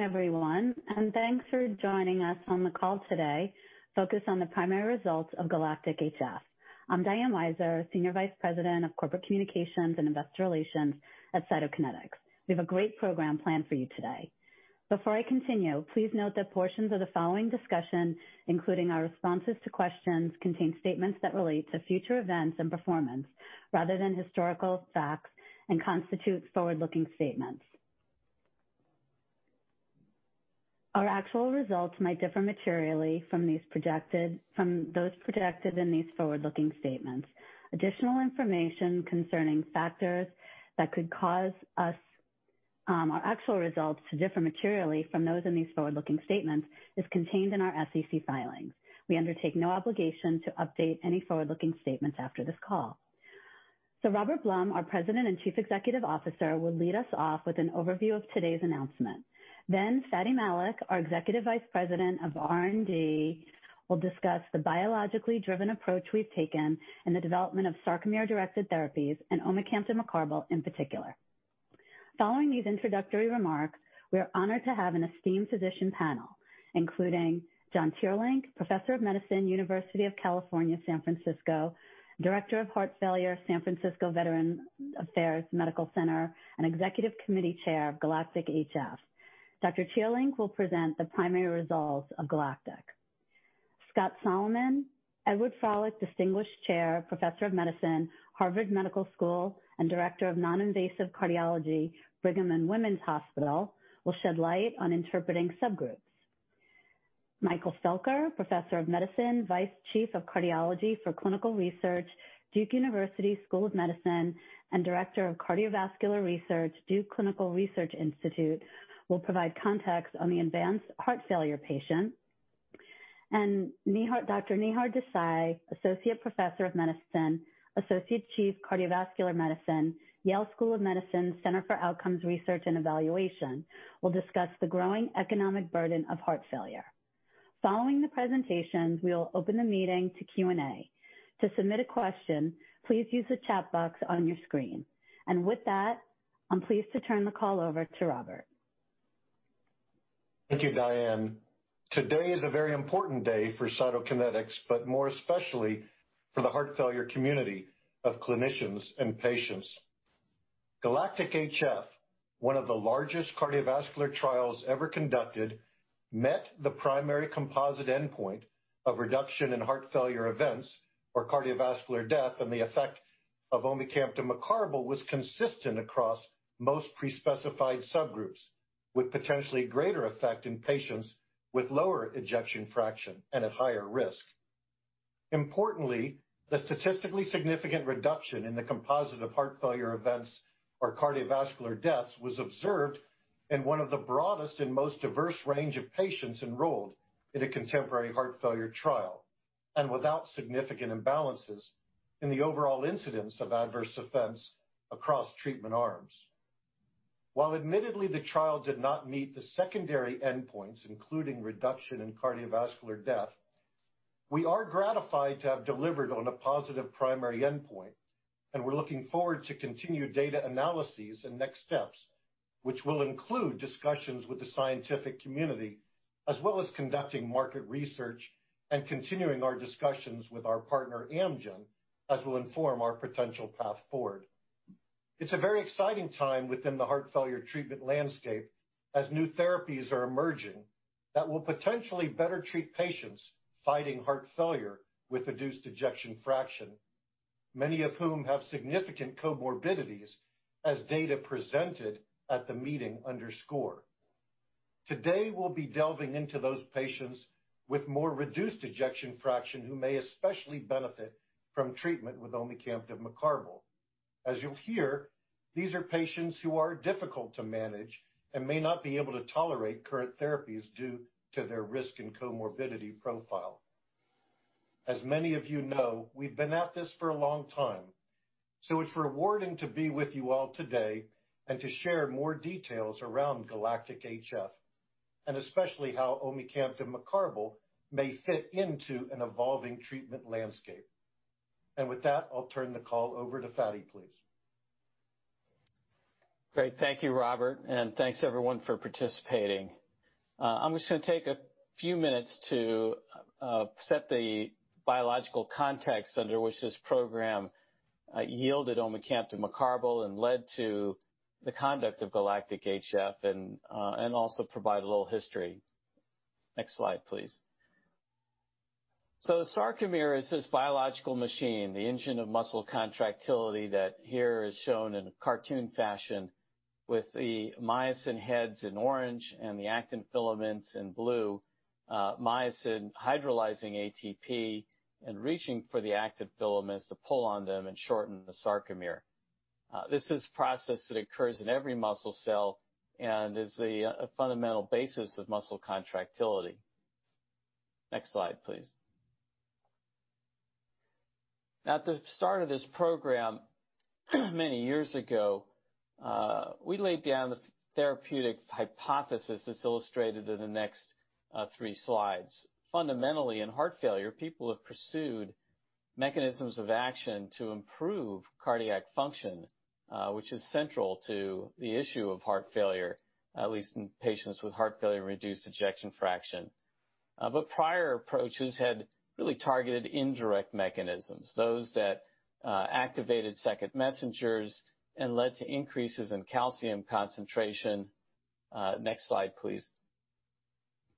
Welcome everyone, and thanks for joining us on the call today focused on the primary results of GALACTIC-HF. I'm Diane Weiser, Senior Vice President of Corporate Communications and Investor Relations at Cytokinetics. We have a great program planned for you today. Before I continue, please note that portions of the following discussion, including our responses to questions, contain statements that relate to future events and performance rather than historical facts and constitute forward-looking statements. Our actual results may differ materially from those projected in these forward-looking statements. Additional information concerning factors that could cause our actual results to differ materially from those in these forward-looking statements is contained in our SEC filings. We undertake no obligation to update any forward-looking statements after this call. Robert Blum, our President and Chief Executive Officer, will lead us off with an overview of today's announcement. Fady Malik, our Executive Vice President of R&D, will discuss the biologically driven approach we've taken in the development of sarcomere-directed therapies and omecamtiv mecarbil in particular. Following these introductory remarks, we are honored to have an esteemed physician panel, including John Teerlink, professor of medicine, University of California, San Francisco, director of heart failure, San Francisco Veterans Affairs Medical Center, and executive committee chair of GALACTIC-HF. Dr. Teerlink will present the primary results of GALACTIC. Scott Solomon, Edward D. Frohlich Distinguished Chair, professor of medicine, Harvard Medical School, and director of non-invasive cardiology, Brigham and Women's Hospital, will shed light on interpreting subgroups. Michael Felker, professor of medicine, vice chief of cardiology for clinical research, Duke University School of Medicine, and director of cardiovascular research, Duke Clinical Research Institute, will provide context on the advanced heart failure patient. Dr. Nihar Desai, associate professor of medicine, associate chief, cardiovascular medicine, Yale School of Medicine, Center for Outcomes Research and Evaluation, will discuss the growing economic burden of heart failure. Following the presentations, we will open the meeting to Q&A. To submit a question, please use the chat box on your screen. With that, I'm pleased to turn the call over to Robert. Thank you, Diane. Today is a very important day for Cytokinetics, but more especially for the heart failure community of clinicians and patients. GALACTIC-HF, one of the largest cardiovascular trials ever conducted, met the primary composite endpoint of reduction in heart failure events or cardiovascular death. The effect of omecamtiv mecarbil was consistent across most pre-specified subgroups, with potentially greater effect in patients with lower ejection fraction and at higher risk. Importantly, the statistically significant reduction in the composite of heart failure events or cardiovascular deaths was observed in one of the broadest and most diverse range of patients enrolled in a contemporary heart failure trial, without significant imbalances in the overall incidence of adverse events across treatment arms. While admittedly the trial did not meet the secondary endpoints, including reduction in cardiovascular death, we are gratified to have delivered on a positive primary endpoint, and we're looking forward to continued data analyses and next steps, which will include discussions with the scientific community as well as conducting market research and continuing our discussions with our partner, Amgen, as we'll inform our potential path forward. It's a very exciting time within the heart failure treatment landscape as new therapies are emerging that will potentially better treat patients fighting heart failure with reduced ejection fraction, many of whom have significant comorbidities as data presented at the meeting underscore. Today, we'll be delving into those patients with more reduced ejection fraction who may especially benefit from treatment with omecamtiv mecarbil. As you'll hear, these are patients who are difficult to manage and may not be able to tolerate current therapies due to their risk and comorbidity profile. As many of you know, we've been at this for a long time, it's rewarding to be with you all today and to share more details around GALACTIC-HF, and especially how omecamtiv mecarbil may fit into an evolving treatment landscape. With that, I'll turn the call over to Fady, please. Great. Thank you, Robert, and thanks everyone for participating. I'm just going to take a few minutes to set the biological context under which this program yielded omecamtiv mecarbil and led to the conduct of GALACTIC-HF and also provide a little history. Next slide, please. The sarcomere is this biological machine, the engine of muscle contractility that here is shown in a cartoon fashion with the myosin heads in orange and the actin filaments in blue. Myosin hydrolyzing ATP and reaching for the active filaments to pull on them and shorten the sarcomere. This is a process that occurs in every muscle cell and is the fundamental basis of muscle contractility. Next slide, please. At the start of this program many years ago, we laid down the therapeutic hypothesis that's illustrated in the next three slides. Fundamentally, in heart failure, people have pursued mechanisms of action to improve cardiac function, which is central to the issue of heart failure, at least in patients with heart failure and reduced ejection fraction. Prior approaches had really targeted indirect mechanisms, those that activated second messengers and led to increases in calcium concentration. Next slide, please.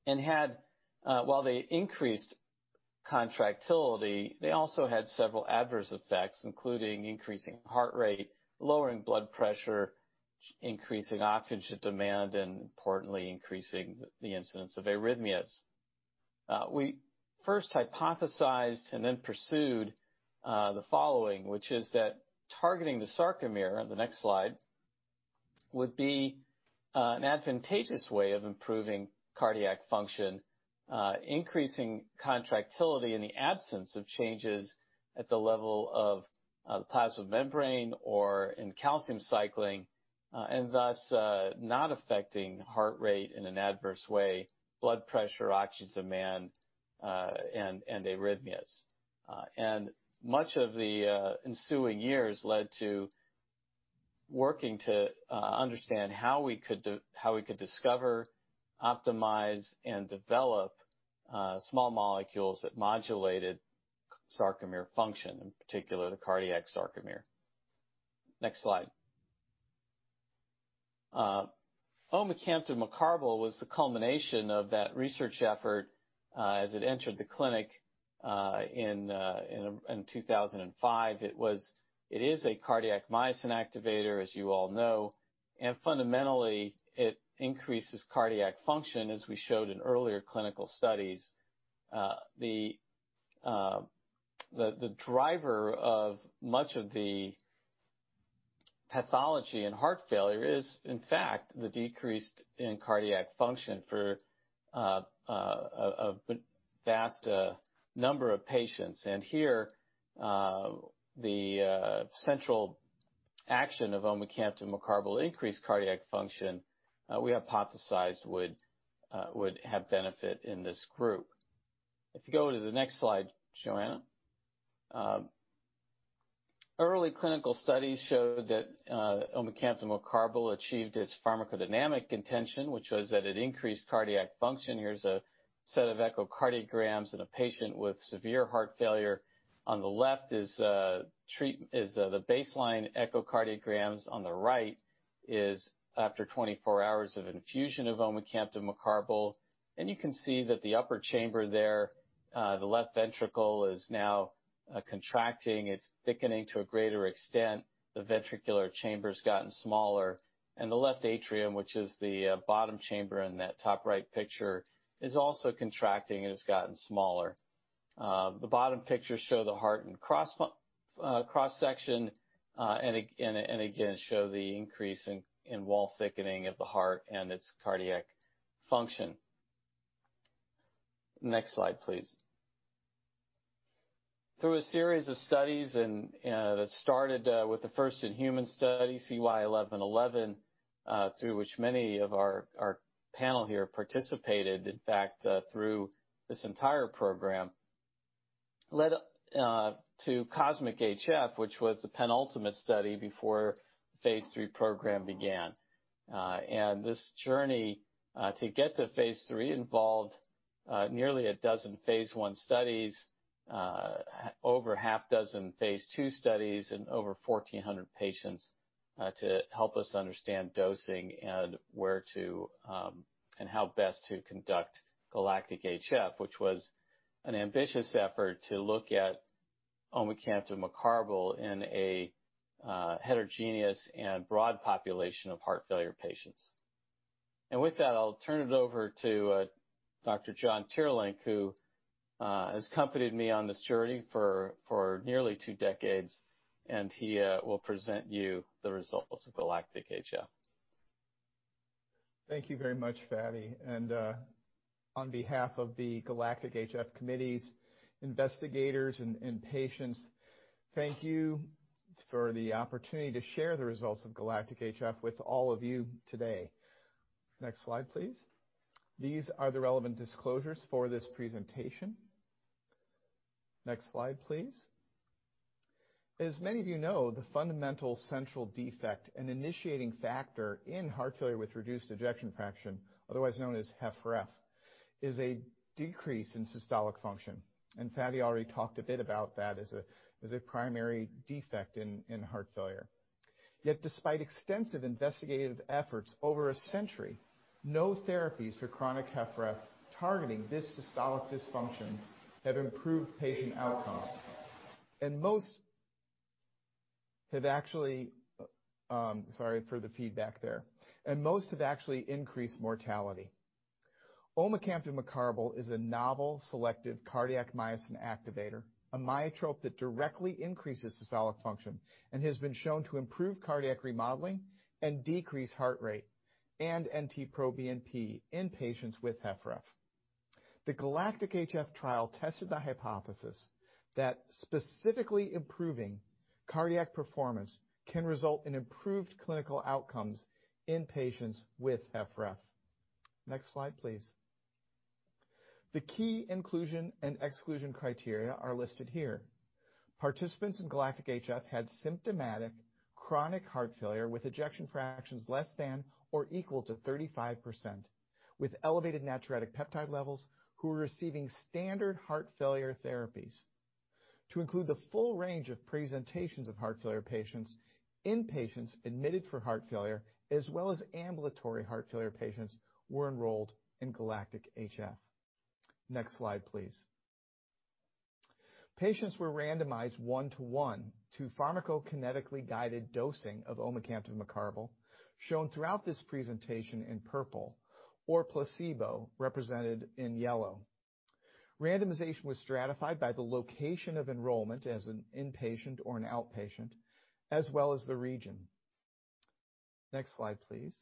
While they increased contractility, they also had several adverse effects, including increasing heart rate, lowering blood pressure, increasing oxygen demand, and importantly, increasing the incidence of arrhythmias. We first hypothesized and then pursued the following, which is that targeting the sarcomere, on the next slide, would be an advantageous way of improving cardiac function, increasing contractility in the absence of changes at the level of the plasma membrane or in calcium cycling, and thus not affecting heart rate in an adverse way, blood pressure, oxygen demand, and arrhythmias. Much of the ensuing years led to working to understand how we could discover, optimize, and develop small molecules that modulated sarcomere function, in particular the cardiac sarcomere. Next slide. omecamtiv mecarbil was the culmination of that research effort as it entered the clinic in 2005. It is a cardiac myosin activator, as you all know. Fundamentally, it increases cardiac function, as we showed in earlier clinical studies. The driver of much of the pathology in heart failure is, in fact, the decreased in cardiac function for a vast number of patients. Here, the central action of omecamtiv mecarbil increased cardiac function, we hypothesized would have benefit in this group. If you go to the next slide, Joanna. Early clinical studies showed that omecamtiv mecarbil achieved its pharmacodynamic intention, which was that it increased cardiac function. Here's a set of echocardiograms in a patient with severe heart failure. On the left is the baseline echocardiograms. On the right is after 24 hours of infusion of omecamtiv mecarbil. You can see that the upper chamber there, the left ventricle is now contracting. It's thickening to a greater extent. The ventricular chamber's gotten smaller. The left atrium, which is the bottom chamber in that top right picture, is also contracting and has gotten smaller. The bottom pictures show the heart in cross-section, and again, show the increase in wall thickening of the heart and its cardiac function. Next slide, please. Through a series of studies that started with the first in human study, CY 1111, through which many of our panel here participated, in fact through this entire program, led to COSMIC-HF, which was the penultimate study before the phase III program began. This journey to get to phase III involved nearly a dozen phase I studies, over half dozen phase II studies, and over 1,400 patients to help us understand dosing and how best to conduct GALACTIC-HF, which was an ambitious effort to look at omecamtiv mecarbil in a heterogeneous and broad population of heart failure patients. With that, I'll turn it over to Dr. John Teerlink, who has accompanied me on this journey for nearly two decades, and he will present you the results of GALACTIC-HF. Thank you very much, Fady. On behalf of the GALACTIC-HF committees, investigators, and patients, thank you for the opportunity to share the results of GALACTIC-HF with all of you today. Next slide, please. These are the relevant disclosures for this presentation. Next slide, please. As many of you know, the fundamental central defect and initiating factor in heart failure with reduced ejection fraction, otherwise known as HFrEF, is a decrease in systolic function. Fady already talked a bit about that as a primary defect in heart failure. Yet, despite extensive investigative efforts over a century, no therapies for chronic HFrEF targeting this systolic dysfunction have improved patient outcomes. Most have actually increased mortality. Omecamtiv mecarbil is a novel selective cardiac myosin activator, a myotrope that directly increases systolic function and has been shown to improve cardiac remodeling and decrease heart rate and NT-proBNP in patients with HFrEF. The GALACTIC-HF trial tested the hypothesis that specifically improving cardiac performance can result in improved clinical outcomes in patients with HFrEF. Slide, please. The key inclusion and exclusion criteria are listed here. Participants in GALACTIC-HF had symptomatic chronic heart failure with ejection fractions less than or equal to 35%, with elevated natriuretic peptide levels, who were receiving standard heart failure therapies. To include the full range of presentations of heart failure patients, inpatients admitted for heart failure, as well as ambulatory heart failure patients, were enrolled in GALACTIC-HF. Slide, please. Patients were randomized one-to-one to pharmacokinetically guided dosing of omecamtiv mecarbil, shown throughout this presentation in purple, or placebo, represented in yellow. Randomization was stratified by the location of enrollment as an inpatient or an outpatient, as well as the region. Next slide, please.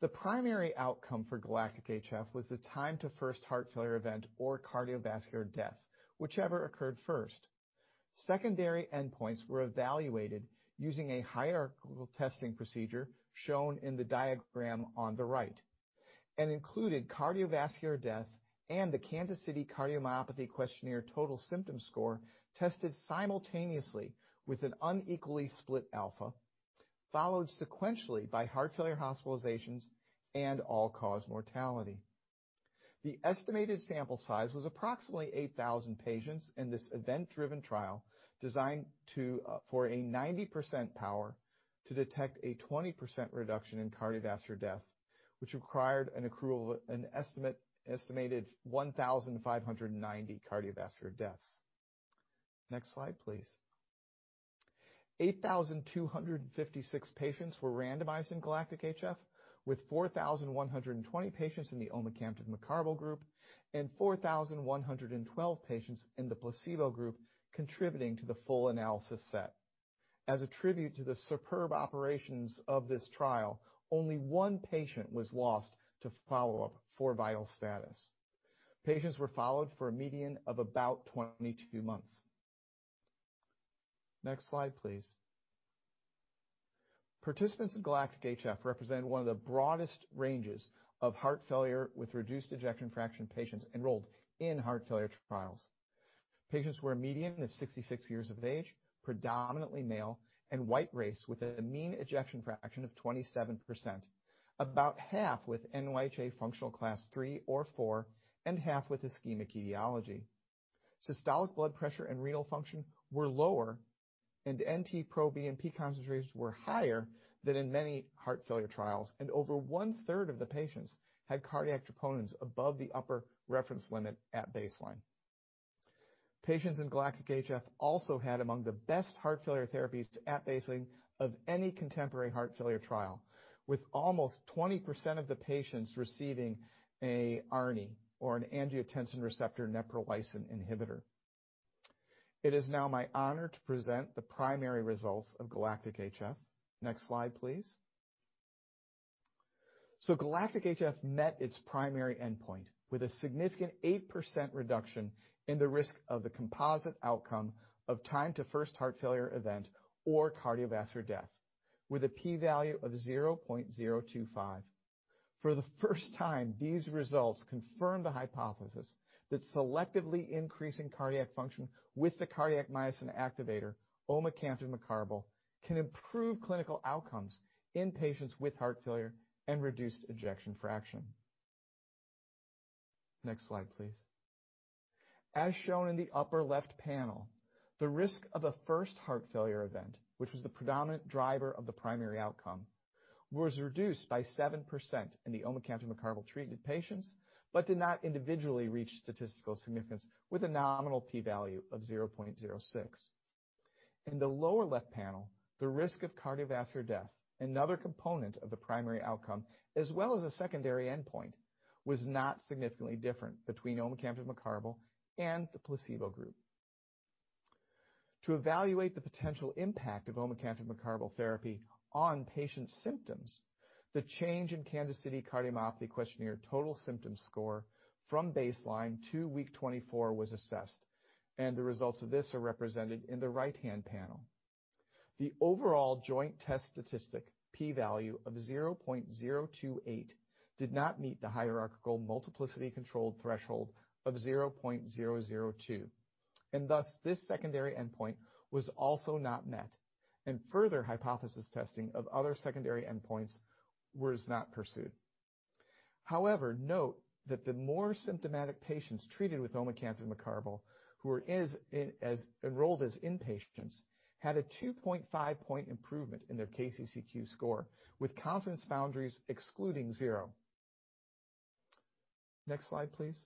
The primary outcome for GALACTIC-HF was the time to first heart failure event or cardiovascular death, whichever occurred first. Secondary endpoints were evaluated using a hierarchical testing procedure shown in the diagram on the right, and included cardiovascular death and the Kansas City Cardiomyopathy Questionnaire total symptom score tested simultaneously with an unequally split alpha, followed sequentially by heart failure hospitalizations and all-cause mortality. The estimated sample size was approximately 8,000 patients in this event-driven trial designed for a 90% power to detect a 20% reduction in cardiovascular death, which required an accrual of an estimated 1,590 cardiovascular deaths. Next slide, please. 8,256 patients were randomized in GALACTIC-HF, with 4,120 patients in the omecamtiv mecarbil group and 4,112 patients in the placebo group contributing to the full analysis set. As a tribute to the superb operations of this trial, only one patient was lost to follow-up for vital status. Patients were followed for a median of about 22 months. Next slide, please. Participants in GALACTIC-HF represent one of the broadest ranges of heart failure with reduced ejection fraction patients enrolled in heart failure trials. Patients were a median of 66 years of age, predominantly male and white race, with a mean ejection fraction of 27%, about half with NYHA functional Class 3 or 4, and half with ischemic etiology. Systolic blood pressure and renal function were lower, and NT-proBNP concentrations were higher than in many heart failure trials, and over one-third of the patients had cardiac troponins above the upper reference limit at baseline. Patients in GALACTIC-HF also had among the best heart failure therapies at baseline of any contemporary heart failure trial, with almost 20% of the patients receiving an ARNI or an angiotensin receptor neprilysin inhibitor. It is now my honor to present the primary results of GALACTIC-HF. Next slide, please. GALACTIC-HF met its primary endpoint with a significant 8% reduction in the risk of the composite outcome of time to first heart failure event or cardiovascular death with a P value of 0.025. For the first time, these results confirm the hypothesis that selectively increasing cardiac function with the cardiac myosin activator omecamtiv mecarbil can improve clinical outcomes in patients with heart failure and reduced ejection fraction. Next slide, please. As shown in the upper left panel, the risk of a first heart failure event, which was the predominant driver of the primary outcome, was reduced by 7% in the omecamtiv mecarbil-treated patients but did not individually reach statistical significance with a nominal P value of 0.06. In the lower left panel, the risk of cardiovascular death, another component of the primary outcome as well as a secondary endpoint, was not significantly different between omecamtiv mecarbil and the placebo group. To evaluate the potential impact of omecamtiv mecarbil therapy on patients' symptoms, the change in Kansas City Cardiomyopathy Questionnaire total symptom score from baseline to week 24 was assessed. The results of this are represented in the right-hand panel. The overall joint test statistic P value of 0.028 did not meet the hierarchical multiplicity control threshold of 0.002. Thus this secondary endpoint was also not met, and further hypothesis testing of other secondary endpoints was not pursued. However, note that the more symptomatic patients treated with omecamtiv mecarbil who were enrolled as inpatients had a 2.5-point improvement in their KCCQ score, with confidence boundaries excluding zero. Next slide, please.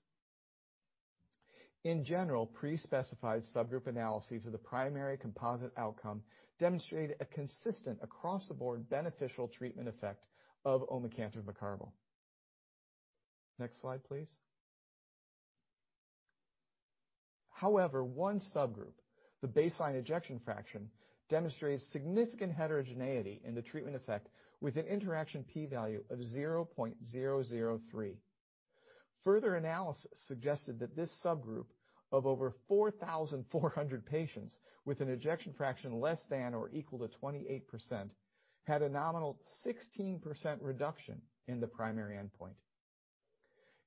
In general, pre-specified subgroup analyses of the primary composite outcome demonstrated a consistent across-the-board beneficial treatment effect of omecamtiv mecarbil. Next slide, please. However, one subgroup, the baseline ejection fraction, demonstrates significant heterogeneity in the treatment effect with an interaction P value of 0.003. Further analysis suggested that this subgroup of over 4,400 patients with an ejection fraction less than or equal to 28% had a nominal 16% reduction in the primary endpoint.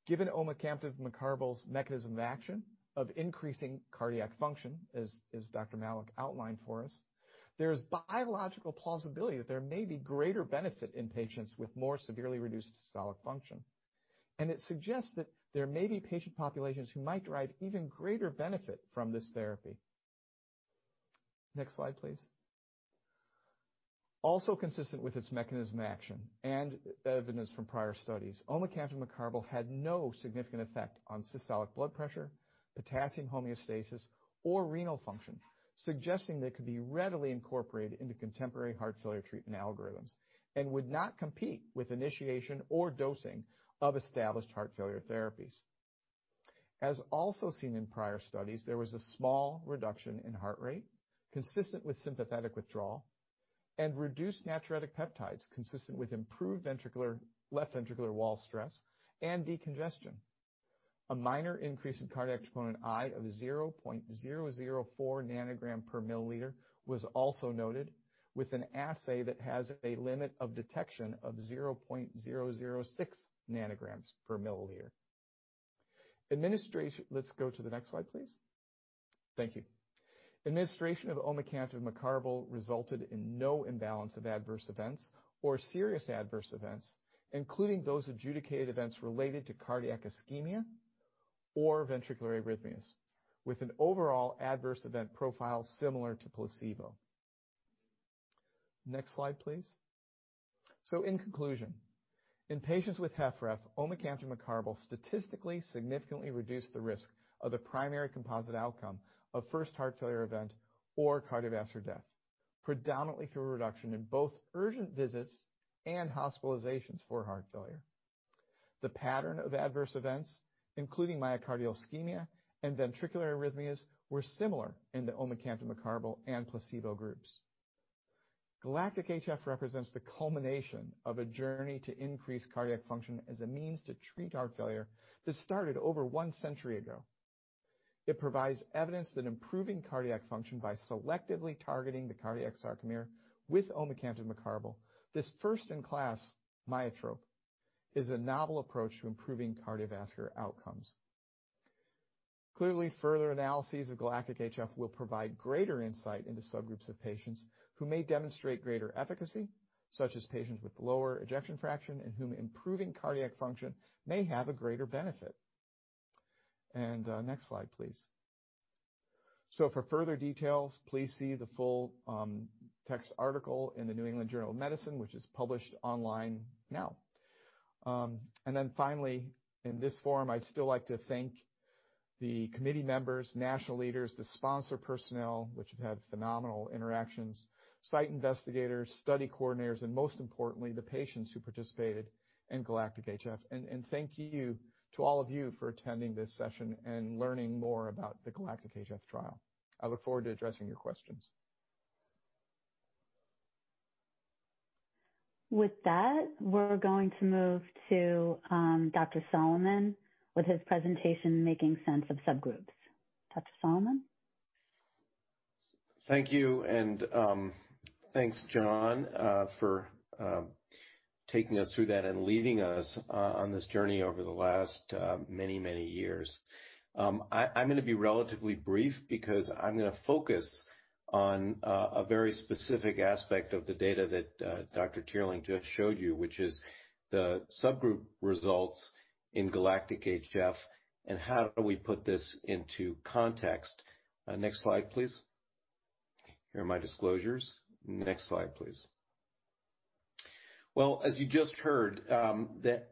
Given omecamtiv mecarbil's mechanism of action of increasing cardiac function, as Dr. Malik outlined for us, there is biological plausibility that there may be greater benefit in patients with more severely reduced systolic function. It suggests that there may be patient populations who might derive even greater benefit from this therapy. Next slide, please. Also consistent with its mechanism of action and evidence from prior studies, omecamtiv mecarbil had no significant effect on systolic blood pressure, potassium homeostasis, or renal function, suggesting that it could be readily incorporated into contemporary heart failure treatment algorithms and would not compete with initiation or dosing of established heart failure therapies. As also seen in prior studies, there was a small reduction in heart rate consistent with sympathetic withdrawal and reduced natriuretic peptides consistent with improved left ventricular wall stress and decongestion. A minor increase in cardiac troponin I of 0.004 nanogram per milliliter was also noted, with an assay that has a limit of detection of 0.006 nanograms per milliliter. Let's go to the next slide, please. Thank you. Administration of omecamtiv mecarbil resulted in no imbalance of adverse events or serious adverse events, including those adjudicated events related to cardiac ischemia or ventricular arrhythmias, with an overall adverse event profile similar to placebo. Next slide, please. In conclusion, in patients with HFrEF, omecamtiv mecarbil statistically significantly reduced the risk of a primary composite outcome of first heart failure event or cardiovascular death, predominantly through a reduction in both urgent visits and hospitalizations for heart failure. The pattern of adverse events, including myocardial ischemia and ventricular arrhythmias, were similar in the omecamtiv mecarbil and placebo groups. GALACTIC-HF represents the culmination of a journey to increase cardiac function as a means to treat heart failure that started over one century ago. It provides evidence that improving cardiac function by selectively targeting the cardiac sarcomere with omecamtiv mecarbil, this first-in-class myotrope, is a novel approach to improving cardiovascular outcomes. Further analyses of GALACTIC-HF will provide greater insight into subgroups of patients who may demonstrate greater efficacy, such as patients with lower ejection fraction in whom improving cardiac function may have a greater benefit. Next slide, please. For further details, please see the full text article in "The New England Journal of Medicine," which is published online now. Finally, in this forum, I'd still like to thank the committee members, national leaders, the sponsor personnel, which have had phenomenal interactions, site investigators, study coordinators, and most importantly, the patients who participated in GALACTIC-HF. Thank you to all of you for attending this session and learning more about the GALACTIC-HF trial. I look forward to addressing your questions. With that, we're going to move to Dr. Solomon with his presentation, Making Sense of Subgroups. Dr. Solomon. Thank you, and thanks, John, for taking us through that and leading us on this journey over the last many, many years. I'm going to be relatively brief because I'm going to focus on a very specific aspect of the data that Dr. Teerlink just showed you, which is the subgroup results in GALACTIC-HF and how do we put this into context. Next slide, please. Here are my disclosures. Next slide, please. Well, as you just heard, the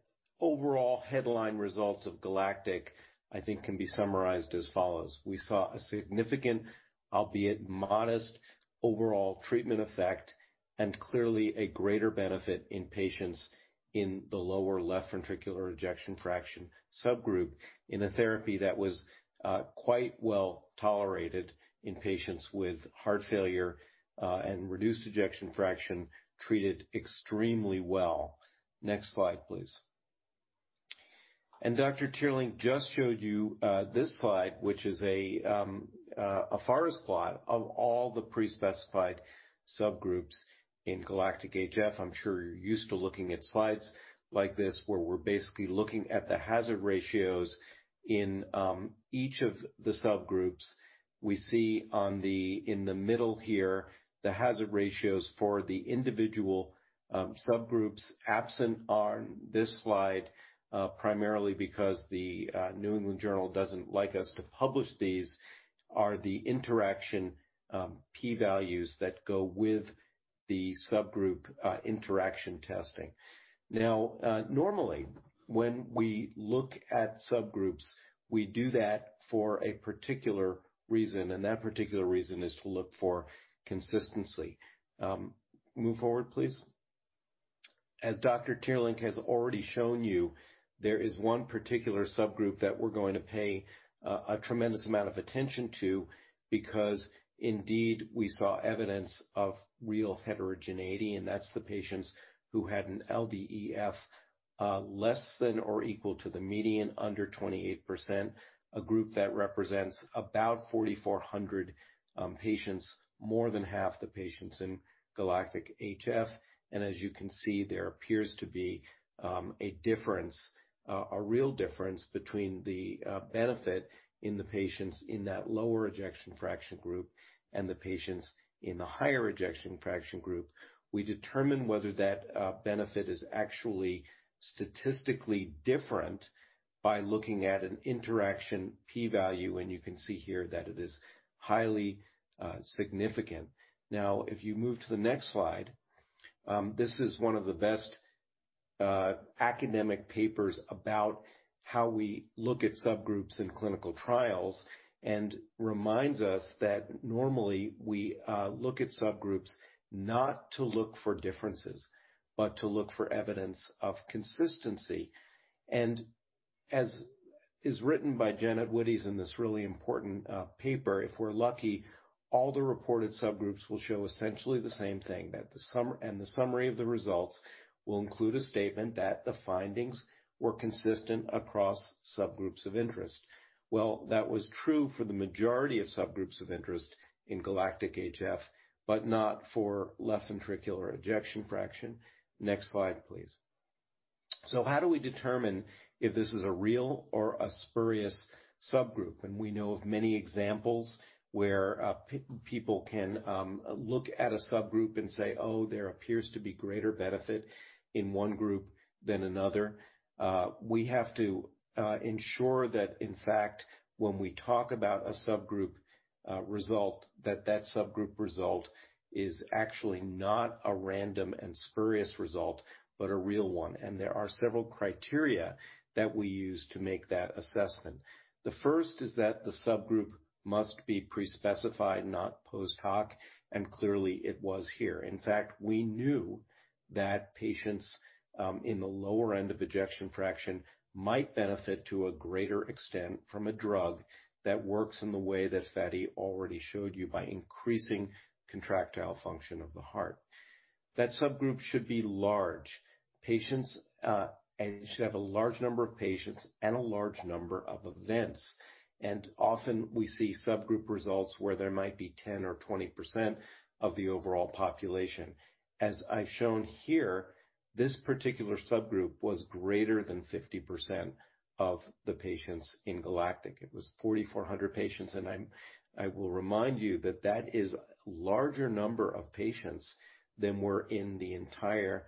overall headline results of GALACTIC, I think, can be summarized as follows. We saw a significant, albeit modest, overall treatment effect and clearly a greater benefit in patients in the lower left ventricular ejection fraction subgroup in a therapy that was quite well tolerated in patients with heart failure and reduced ejection fraction treated extremely well. Next slide, please. Dr. Teerlink just showed you this slide, which is a forest plot of all the pre-specified subgroups in GALACTIC-HF. I'm sure you're used to looking at slides like this, where we're basically looking at the hazard ratios in each of the subgroups. We see in the middle here the hazard ratios for the individual subgroups. Absent on this slide, primarily because The New England Journal doesn't like us to publish these, are the interaction P values that go with the subgroup interaction testing. Normally, when we look at subgroups, we do that for a particular reason, and that particular reason is to look for consistency. Move forward, please. As Dr. Teerlink has already shown you, there is one particular subgroup that we're going to pay a tremendous amount of attention to because indeed, we saw evidence of real heterogeneity, and that's the patients who had an LVEF less than or equal to the median under 28%, a group that represents about 4,400 patients, more than half the patients in GALACTIC-HF. As you can see, there appears to be a real difference between the benefit in the patients in that lower ejection fraction group and the patients in the higher ejection fraction group. We determine whether that benefit is actually statistically different by looking at an interaction P value, and you can see here that it is highly significant. Now, if you move to the next slide. This is one of the best academic papers about how we look at subgroups in clinical trials and reminds us that normally we look at subgroups not to look for differences, but to look for evidence of consistency. As is written by Janet Wittes in this really important paper, if we're lucky, all the reported subgroups will show essentially the same thing, and the summary of the results will include a statement that the findings were consistent across subgroups of interest. That was true for the majority of subgroups of interest in GALACTIC-HF, but not for left ventricular ejection fraction. Next slide, please. How do we determine if this is a real or a spurious subgroup? We know of many examples where people can look at a subgroup and say, "Oh, there appears to be greater benefit in one group than another." We have to ensure that, in fact, when we talk about a subgroup result, that that subgroup result is actually not a random and spurious result, but a real one. There are several criteria that we use to make that assessment. The first is that the subgroup must be pre-specified, not post hoc, and clearly it was here. In fact, we knew that patients in the lower end of ejection fraction might benefit to a greater extent from a drug that works in the way that Fady already showed you by increasing contractile function of the heart. That subgroup should be large. You should have a large number of patients and a large number of events. Often we see subgroup results where there might be 10% or 20% of the overall population. As I've shown here, this particular subgroup was greater than 50% of the patients in GALACTIC. It was 4,400 patients, and I will remind you that that is a larger number of patients than were in the entire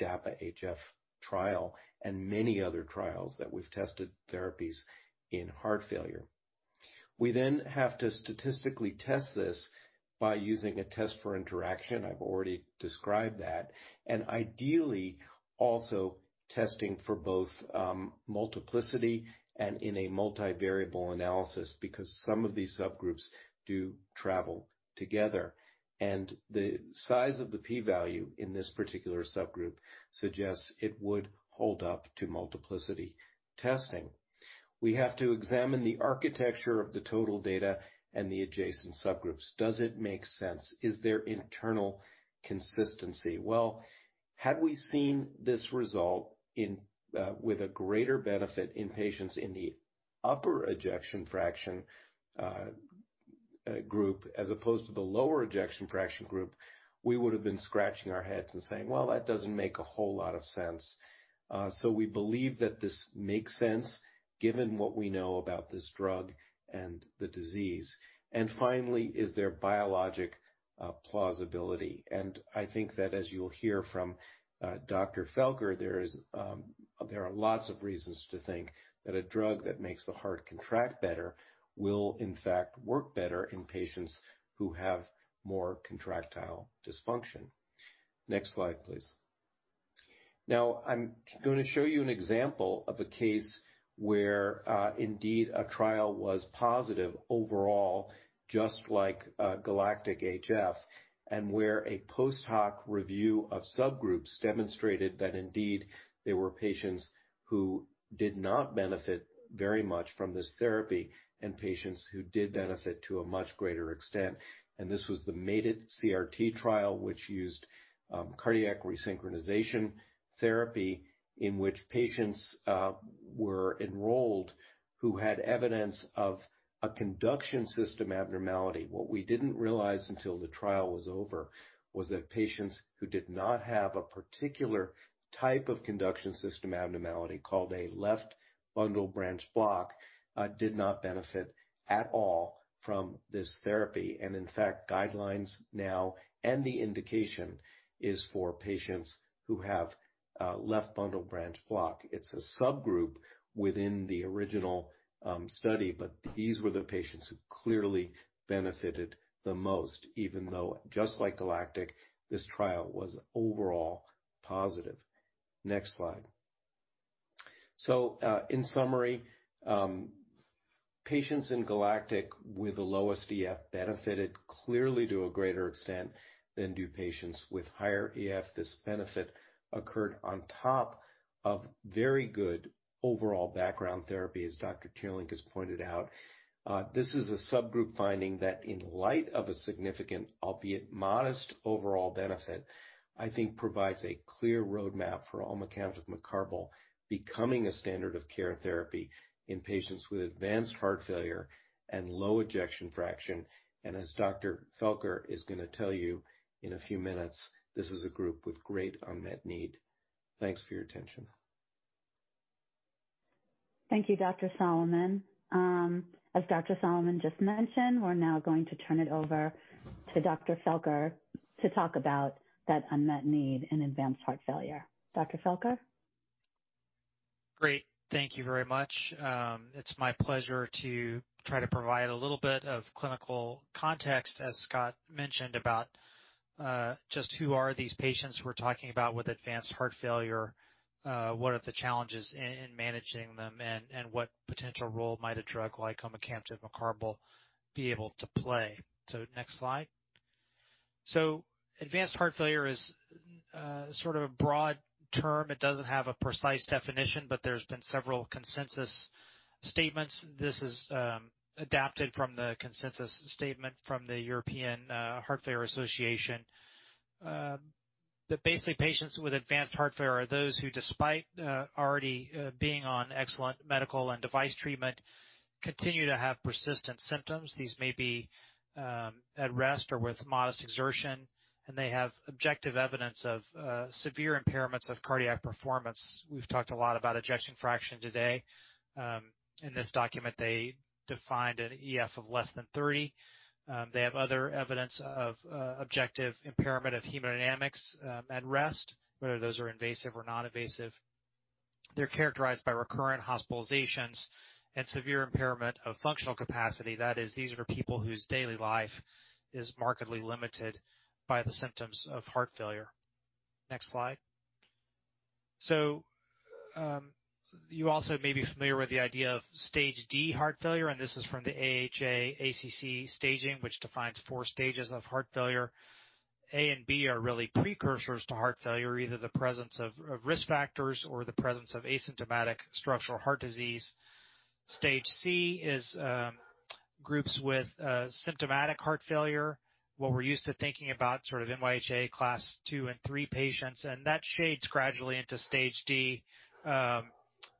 DAPA-HF trial and many other trials that we've tested therapies in heart failure. We then have to statistically test this by using a test for interaction, I've already described that, and ideally, also testing for both multiplicity and in a multivariable analysis, because some of these subgroups do travel together. The size of the P value in this particular subgroup suggests it would hold up to multiplicity testing. We have to examine the architecture of the total data and the adjacent subgroups. Does it make sense? Is there internal consistency? Well, had we seen this result with a greater benefit in patients in the upper ejection fraction group as opposed to the lower ejection fraction group, we would have been scratching our heads and saying, "Well, that doesn't make a whole lot of sense." We believe that this makes sense given what we know about this drug and the disease. Finally, is there biologic plausibility? I think that as you'll hear from Dr. Felker, there are lots of reasons to think that a drug that makes the heart contract better will in fact work better in patients who have more contractile dysfunction. Next slide, please. Now, I'm going to show you an example of a case where indeed a trial was positive overall, just like GALACTIC-HF, and where a post hoc review of subgroups demonstrated that indeed there were patients who did not benefit very much from this therapy and patients who did benefit to a much greater extent. This was the MADIT-CRT trial, which used cardiac resynchronization therapy, in which patients were enrolled who had evidence of a conduction system abnormality. What we didn't realize until the trial was over was that patients who did not have a particular type of conduction system abnormality, called a left bundle branch block, did not benefit at all from this therapy. In fact, guidelines now and the indication is for patients who have left bundle branch block. It's a subgroup within the original study. These were the patients who clearly benefited the most, even though, just like GALACTIC, this trial was overall positive. Next slide. In summary, patients in GALACTIC with the lowest EF benefited clearly to a greater extent than do patients with higher EF. This benefit occurred on top of very good overall background therapy, as Dr. Teerlink has pointed out. This is a subgroup finding that in light of a significant, albeit modest, overall benefit, I think provides a clear roadmap for omecamtiv mecarbil becoming a standard of care therapy in patients with advanced heart failure and low ejection fraction. As Dr. Felker is going to tell you in a few minutes, this is a group with great unmet need. Thanks for your attention. Thank you, Dr. Solomon. As Dr. Solomon just mentioned, we're now going to turn it over to Dr. Felker to talk about that unmet need in advanced heart failure. Dr. Felker? Great. Thank you very much. It's my pleasure to try to provide a little bit of clinical context, as Scott mentioned, about just who are these patients we're talking about with advanced heart failure, what are the challenges in managing them, and what potential role might a drug like omecamtiv mecarbil be able to play. Next slide. Advanced heart failure is sort of a broad term. It doesn't have a precise definition, but there's been several consensus statements. This is adapted from the consensus statement from the European Heart Failure Association. Basically, patients with advanced heart failure are those who, despite already being on excellent medical and device treatment, continue to have persistent symptoms. These may be at rest or with modest exertion, and they have objective evidence of severe impairments of cardiac performance. We've talked a lot about ejection fraction today. In this document, they defined an EF of less than 30. They have other evidence of objective impairment of hemodynamics at rest, whether those are invasive or non-invasive. They are characterized by recurrent hospitalizations and severe impairment of functional capacity. That is, these are people whose daily life is markedly limited by the symptoms of heart failure. Next slide. You also may be familiar with the idea of Stage D heart failure, and this is from the AHA/ACC staging, which defines four stages of heart failure. A and B are really precursors to heart failure, either the presence of risk factors or the presence of asymptomatic structural heart disease. Stage C is groups with symptomatic heart failure, what we are used to thinking about sort of NYHA Class 2 and 3 patients, and that shades gradually into Stage D,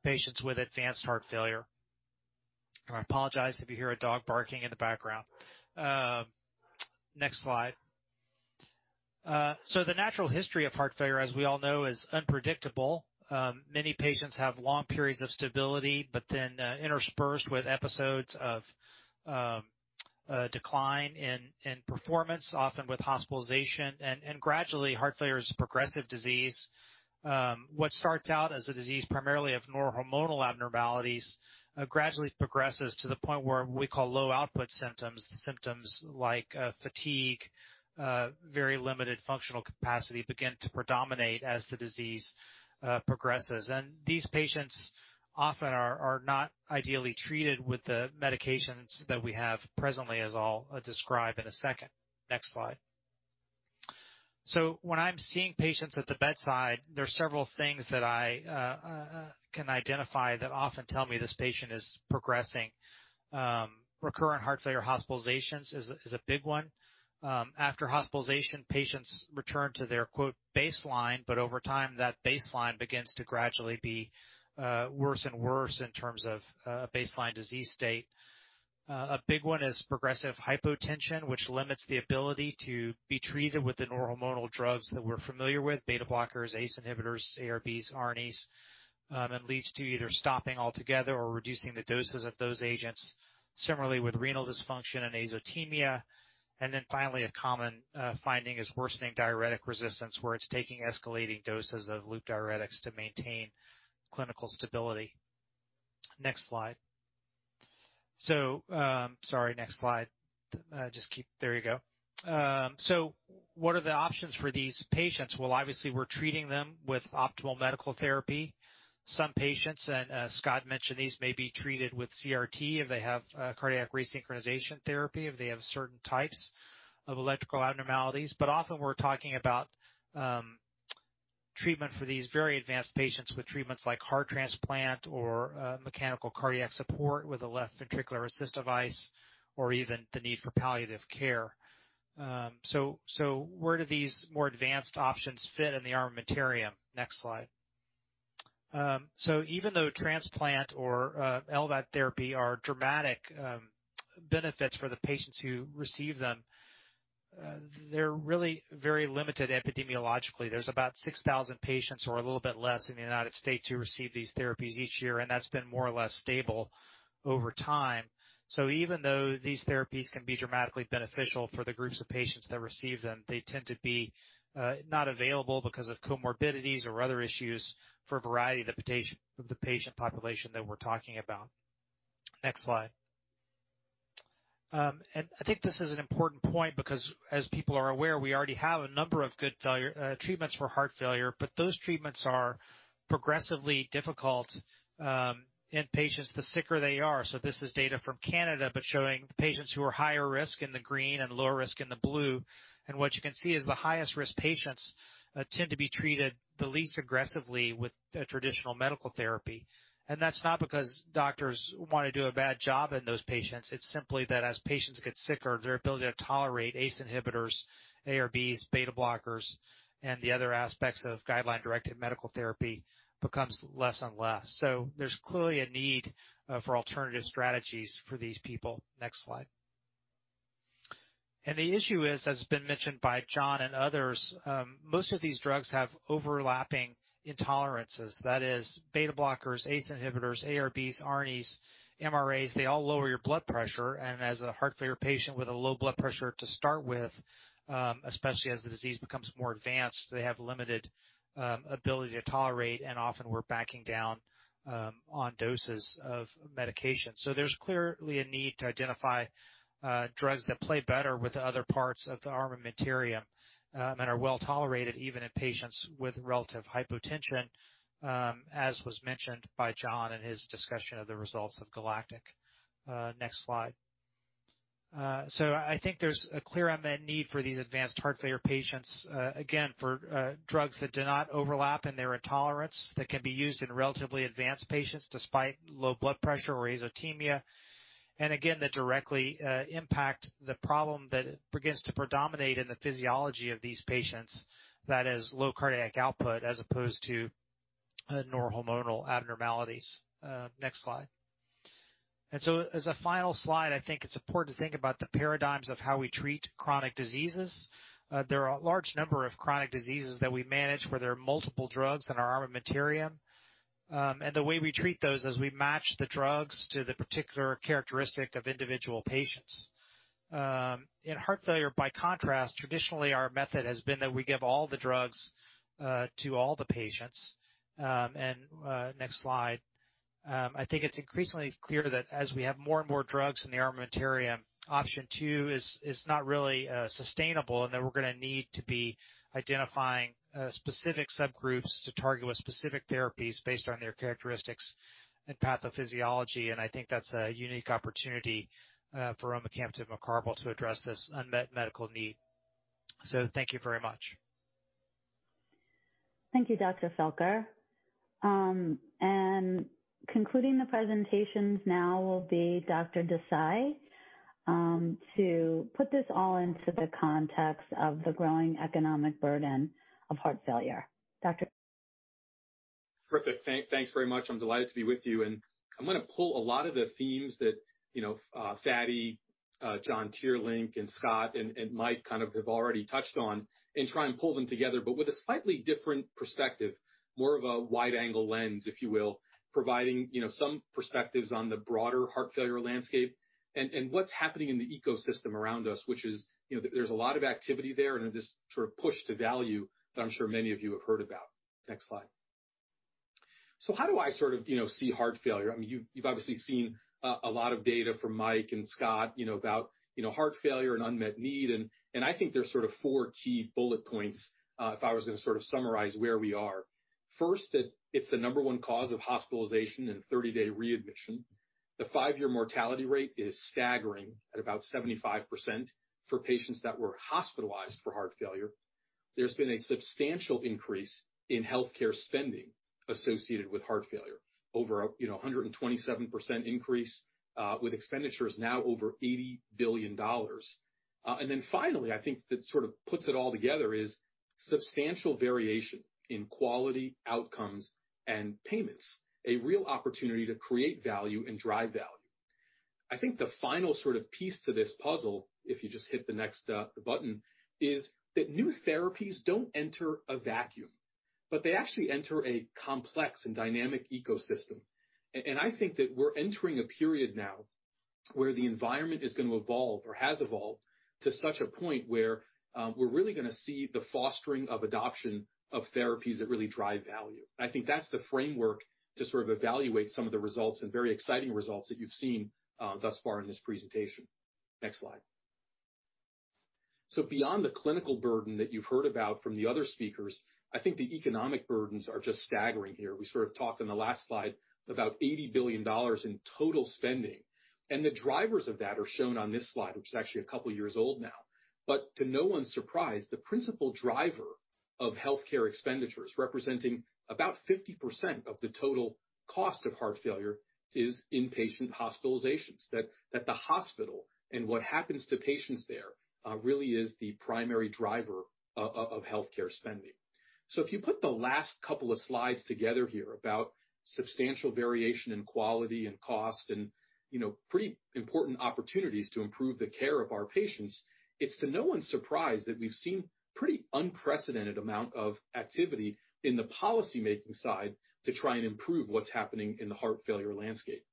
patients with advanced heart failure. I apologize if you hear a dog barking in the background. Next slide. The natural history of heart failure, as we all know, is unpredictable. Many patients have long periods of stability, but then interspersed with episodes of decline in performance, often with hospitalization. Gradually, heart failure is a progressive disease. What starts out as a disease primarily of neurohormonal abnormalities gradually progresses to the point where we call low output symptoms. Symptoms like fatigue, very limited functional capacity begin to predominate as the disease progresses. These patients often are not ideally treated with the medications that we have presently, as I'll describe in a second. Next slide. When I'm seeing patients at the bedside, there are several things that I can identify that often tell me this patient is progressing. Recurrent heart failure hospitalizations is a big one. After hospitalization, patients return to their, quote, "baseline," over time, that baseline begins to gradually be worse and worse in terms of baseline disease state. A big one is progressive hypotension, which limits the ability to be treated with the neurohormonal drugs that we're familiar with, beta blockers, ACE inhibitors, ARBs, ARNIs, and leads to either stopping altogether or reducing the doses of those agents. Similarly with renal dysfunction and azotemia. Finally, a common finding is worsening diuretic resistance, where it's taking escalating doses of loop diuretics to maintain clinical stability. Next slide. Sorry, next slide. There you go. What are the options for these patients? Well, obviously, we're treating them with optimal medical therapy. Some patients, and Scott mentioned these, may be treated with CRT if they have cardiac resynchronization therapy, if they have certain types of electrical abnormalities. Often we're talking about treatment for these very advanced patients with treatments like heart transplant or mechanical cardiac support with a left ventricular assist device or even the need for palliative care. Where do these more advanced options fit in the armamentarium? Next slide. Even though transplant or LVAD therapy are dramatic benefits for the patients who receive them, they're really very limited epidemiologically. There's about 6,000 patients or a little bit less in the U.S. who receive these therapies each year, and that's been more or less stable over time. Even though these therapies can be dramatically beneficial for the groups of patients that receive them, they tend to be not available because of comorbidities or other issues for a variety of the patient population that we're talking about. Next slide. I think this is an important point because, as people are aware, we already have a number of good treatments for heart failure, but those treatments are progressively difficult in patients the sicker they are. This is data from Canada, showing the patients who are higher risk in the green and lower risk in the blue. What you can see is the highest-risk patients tend to be treated the least aggressively with traditional medical therapy. That's not because doctors want to do a bad job in those patients. It's simply that as patients get sicker, their ability to tolerate ACE inhibitors, ARBs, beta blockers, and the other aspects of guideline-directed medical therapy becomes less and less. There's clearly a need for alternative strategies for these people. Next slide. The issue is, as has been mentioned by John and others, most of these drugs have overlapping intolerances. That is beta blockers, ACE inhibitors, ARBs, ARNIs, MRAs. They all lower your blood pressure. As a heart failure patient with a low blood pressure to start with, especially as the disease becomes more advanced, they have limited ability to tolerate, and often we're backing down on doses of medication. There's clearly a need to identify drugs that play better with other parts of the armamentarium and are well-tolerated even in patients with relative hypotension, as was mentioned by John in his discussion of the results of GALACTIC. Next slide. I think there's a clear unmet need for these advanced heart failure patients, again, for drugs that do not overlap in their intolerance, that can be used in relatively advanced patients despite low blood pressure or azotemia. Again, that directly impact the problem that begins to predominate in the physiology of these patients, that is low cardiac output as opposed to neurohormonal abnormalities. Next slide. As a final slide, I think it's important to think about the paradigms of how we treat chronic diseases. There are a large number of chronic diseases that we manage where there are multiple drugs in our armamentarium. The way we treat those is we match the drugs to the particular characteristic of individual patients. In heart failure, by contrast, traditionally our method has been that we give all the drugs to all the patients. Next slide. I think it's increasingly clear that as we have more and more drugs in the armamentarium, option two is not really sustainable and that we're going to need to be identifying specific subgroups to target with specific therapies based on their characteristics and pathophysiology. I think that's a unique opportunity for omecamtiv mecarbil to address this unmet medical need. Thank you very much. Thank you, Dr. Felker. Concluding the presentations now will be Dr. Desai to put this all into the context of the growing economic burden of heart failure. Doctor. Perfect. Thanks very much. I'm delighted to be with you. I'm going to pull a lot of the themes that Fady, John Teerlink, and Scott, and Mike kind of have already touched on and try and pull them together, but with a slightly different perspective, more of a wide-angle lens, if you will, providing some perspectives on the broader heart failure landscape and what's happening in the ecosystem around us, which is there's a lot of activity there and this sort of push to value that I'm sure many of you have heard about. Next slide. How do I sort of see heart failure? You've obviously seen a lot of data from Mike and Scott about heart failure and unmet need, and I think there's sort of four key bullet points if I was going to sort of summarize where we are. First, that it's the number one cause of hospitalization and 30-day readmission. The five-year mortality rate is staggering at about 75% for patients that were hospitalized for heart failure. There's been a substantial increase in healthcare spending associated with heart failure. Over 127% increase with expenditures now over $80 billion. Finally, I think that sort of puts it all together is substantial variation in quality outcomes and payments. A real opportunity to create value and drive value. I think the final sort of piece to this puzzle, if you just hit the next button, is that new therapies don't enter a vacuum, but they actually enter a complex and dynamic ecosystem. I think that we're entering a period now where the environment is going to evolve or has evolved to such a point where we're really going to see the fostering of adoption of therapies that really drive value. I think that's the framework to sort of evaluate some of the results and very exciting results that you've seen thus far in this presentation. Next slide. Beyond the clinical burden that you've heard about from the other speakers, I think the economic burdens are just staggering here. We sort of talked on the last slide about $80 billion in total spending. The drivers of that are shown on this slide, which is actually a couple of years old now. To no one's surprise, the principal driver of healthcare expenditures representing about 50% of the total cost of heart failure is inpatient hospitalizations, that the hospital and what happens to patients there really is the primary driver of healthcare spending. If you put the last couple of slides together here about substantial variation in quality and cost and pretty important opportunities to improve the care of our patients, it's to no one's surprise that we've seen pretty unprecedented amount of activity in the policymaking side to try and improve what's happening in the heart failure landscape.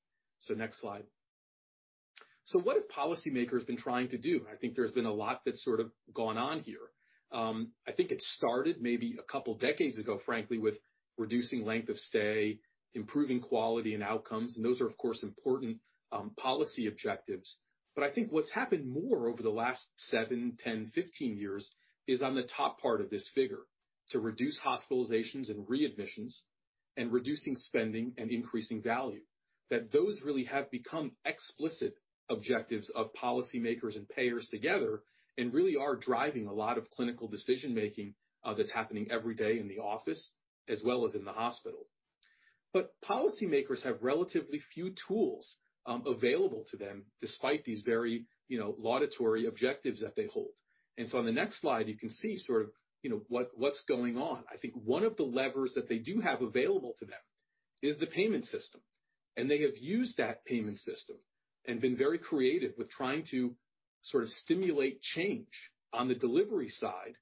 Next slide. What have policymakers been trying to do? I think there's been a lot that's sort of gone on here. I think it started maybe a couple decades ago, frankly, with reducing length of stay, improving quality and outcomes, and those are, of course, important policy objectives. I think what's happened more over the last seven, 10, 15 years is on the top part of this figure, to reduce hospitalizations and readmissions and reducing spending and increasing value. Those really have become explicit objectives of policymakers and payers together and really are driving a lot of clinical decision-making that's happening every day in the office as well as in the hospital. Policymakers have relatively few tools available to them despite these very laudatory objectives that they hold. On the next slide, you can see what's going on. I think one of the levers that they do have available to them is the payment system, and they have used that payment system and been very creative with trying to stimulate change on the delivery side,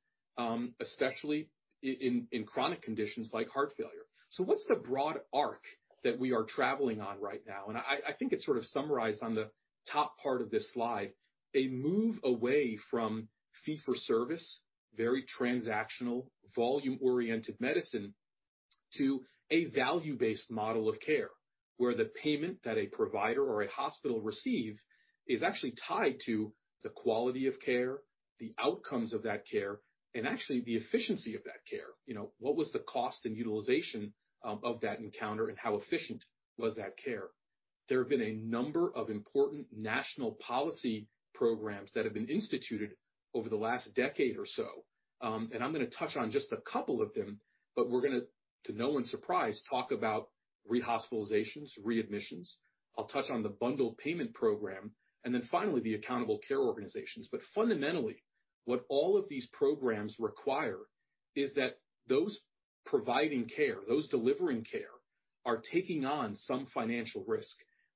especially in chronic conditions like heart failure. What's the broad arc that we are traveling on right now? I think it's summarized on the top part of this slide. A move away from fee-for-service, very transactional, volume-oriented medicine to a value-based model of care, where the payment that a provider or a hospital receives is actually tied to the quality of care, the outcomes of that care, and actually the efficiency of that care. What was the cost and utilization of that encounter and how efficient was that care? There have been a number of important national policy programs that have been instituted over the last decade or so. I'm going to touch on just a couple of them, but we're going to no one's surprise, talk about rehospitalizations, readmissions. I'll touch on the bundled payment program and then finally, the accountable care organizations. Fundamentally, what all of these programs require is that those providing care, those delivering care, are taking on some financial risk.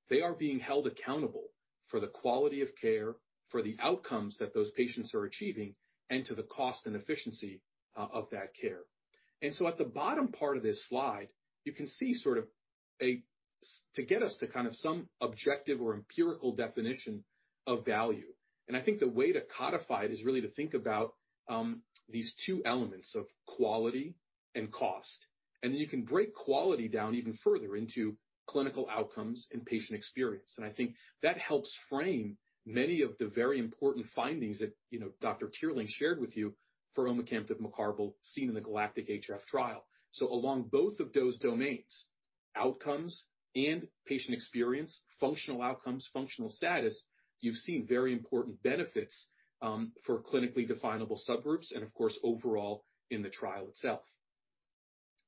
They are being held accountable for the quality of care, for the outcomes that those patients are achieving, and to the cost and efficiency of that care. At the bottom part of this slide, you can see to get us to some objective or empirical definition of value. I think the way to codify it is really to think about these two elements of quality and cost. You can break quality down even further into clinical outcomes and patient experience. I think that helps frame many of the very important findings that Dr. Teerlink shared with you for omecamtiv mecarbil seen in the GALACTIC-HF trial. Along both of those domains, outcomes and patient experience, functional outcomes, functional status, you've seen very important benefits for clinically definable subgroups and of course, overall in the trial itself.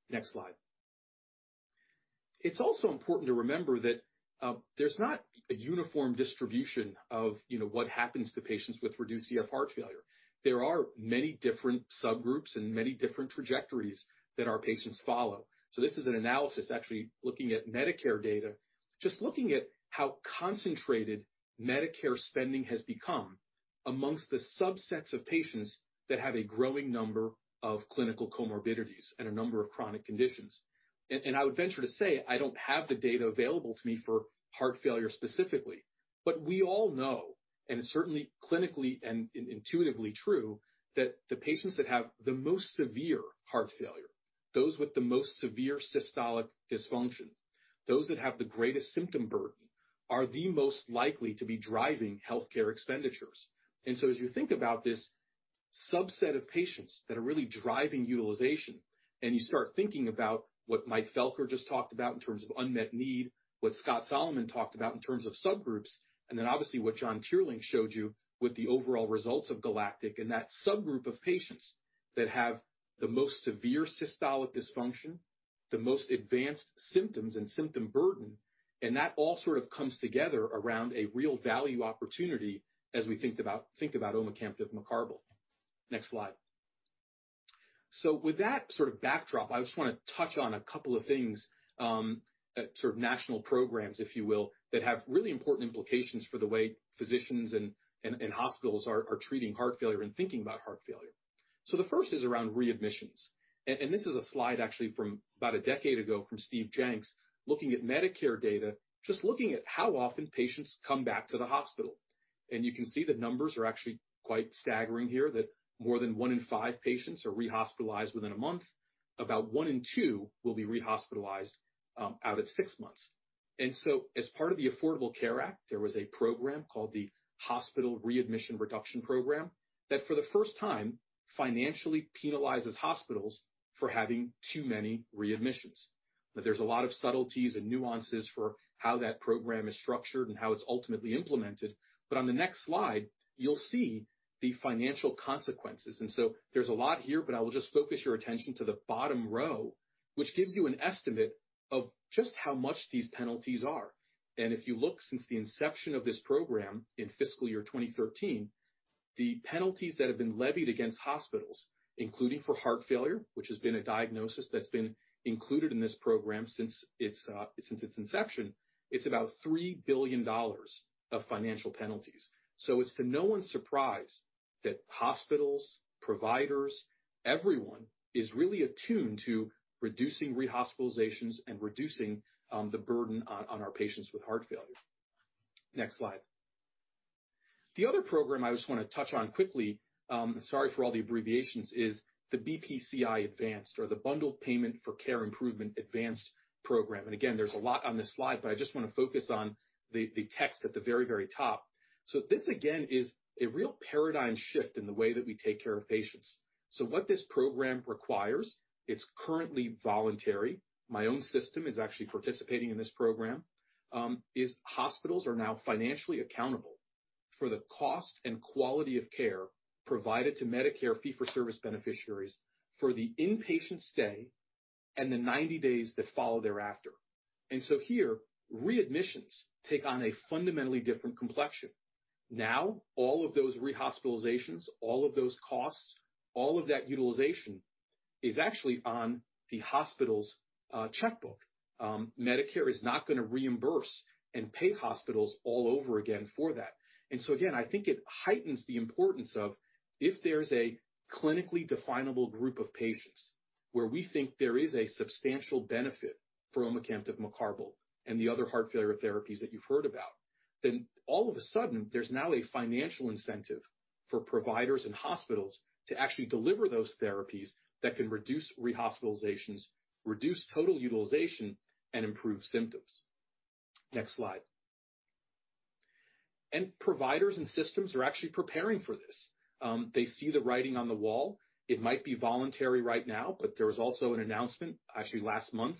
Next slide. It's also important to remember that there's not a uniform distribution of what happens to patients with reduced EF heart failure. There are many different subgroups and many different trajectories that our patients follow. This is an analysis actually looking at Medicare data, just looking at how concentrated Medicare spending has become amongst the subsets of patients that have a growing number of clinical comorbidities and a number of chronic conditions. I would venture to say, I don't have the data available to me for heart failure specifically, but we all know, and it's certainly clinically and intuitively true, that the patients that have the most severe heart failure, those with the most severe systolic dysfunction, those that have the greatest symptom burden, are the most likely to be driving healthcare expenditures. As you think about this subset of patients that are really driving utilization, and you start thinking about what Michael Felker just talked about in terms of unmet need, what Scott Solomon talked about in terms of subgroups, and then obviously what John Teerlink showed you with the overall results of GALACTIC and that subgroup of patients that have the most severe systolic dysfunction, the most advanced symptoms and symptom burden, and that all sort of comes together around a real value opportunity as we think about omecamtiv mecarbil. Next slide. With that backdrop, I just want to touch on a couple of things, national programs, if you will, that have really important implications for the way physicians and hospitals are treating heart failure and thinking about heart failure. The first is around readmissions. This is a slide actually from about a decade ago from Stephen Jencks, looking at Medicare data, just looking at how often patients come back to the hospital. You can see the numbers are actually quite staggering here, that more than one in five patients are rehospitalized within a month. About one in two will be rehospitalized out at six months. As part of the Affordable Care Act, there was a program called the Hospital Readmissions Reduction Program that for the first time financially penalizes hospitals for having too many readmissions. There's a lot of subtleties and nuances for how that program is structured and how it's ultimately implemented. On the next slide, you'll see the financial consequences. There's a lot here, but I will just focus your attention to the bottom row, which gives you an estimate of just how much these penalties are. If you look since the inception of this program in fiscal year 2013, the penalties that have been levied against hospitals, including for heart failure, which has been a diagnosis that's been included in this program since its inception, it's about $3 billion of financial penalties. It's to no one's surprise that hospitals, providers, everyone is really attuned to reducing rehospitalizations and reducing the burden on our patients with heart failure. Next slide. The other program I just want to touch on quickly, sorry for all the abbreviations, is the BPCI Advanced or the Bundled Payments for Care Improvement Advanced program. Again, there's a lot on this slide, but I just want to focus on the text at the very top. This, again, is a real paradigm shift in the way that we take care of patients. What this program requires, it's currently voluntary. My own system is actually participating in this program. Hospitals are now financially accountable for the cost and quality of care provided to Medicare fee-for-service beneficiaries for the inpatient stay and the 90 days that follow thereafter. Here, readmissions take on a fundamentally different complexion. All of those rehospitalizations, all of those costs, all of that utilization, is actually on the hospital's checkbook. Medicare is not going to reimburse and pay hospitals all over again for that. Again, I think it heightens the importance of, if there's a clinically definable group of patients where we think there is a substantial benefit for omecamtiv mecarbil and the other heart failure therapies that you've heard about. All of a sudden, there's now a financial incentive for providers and hospitals to actually deliver those therapies that can reduce rehospitalizations, reduce total utilization, and improve symptoms. Next slide. Providers and systems are actually preparing for this. They see the writing on the wall. It might be voluntary right now, but there was also an announcement, actually last month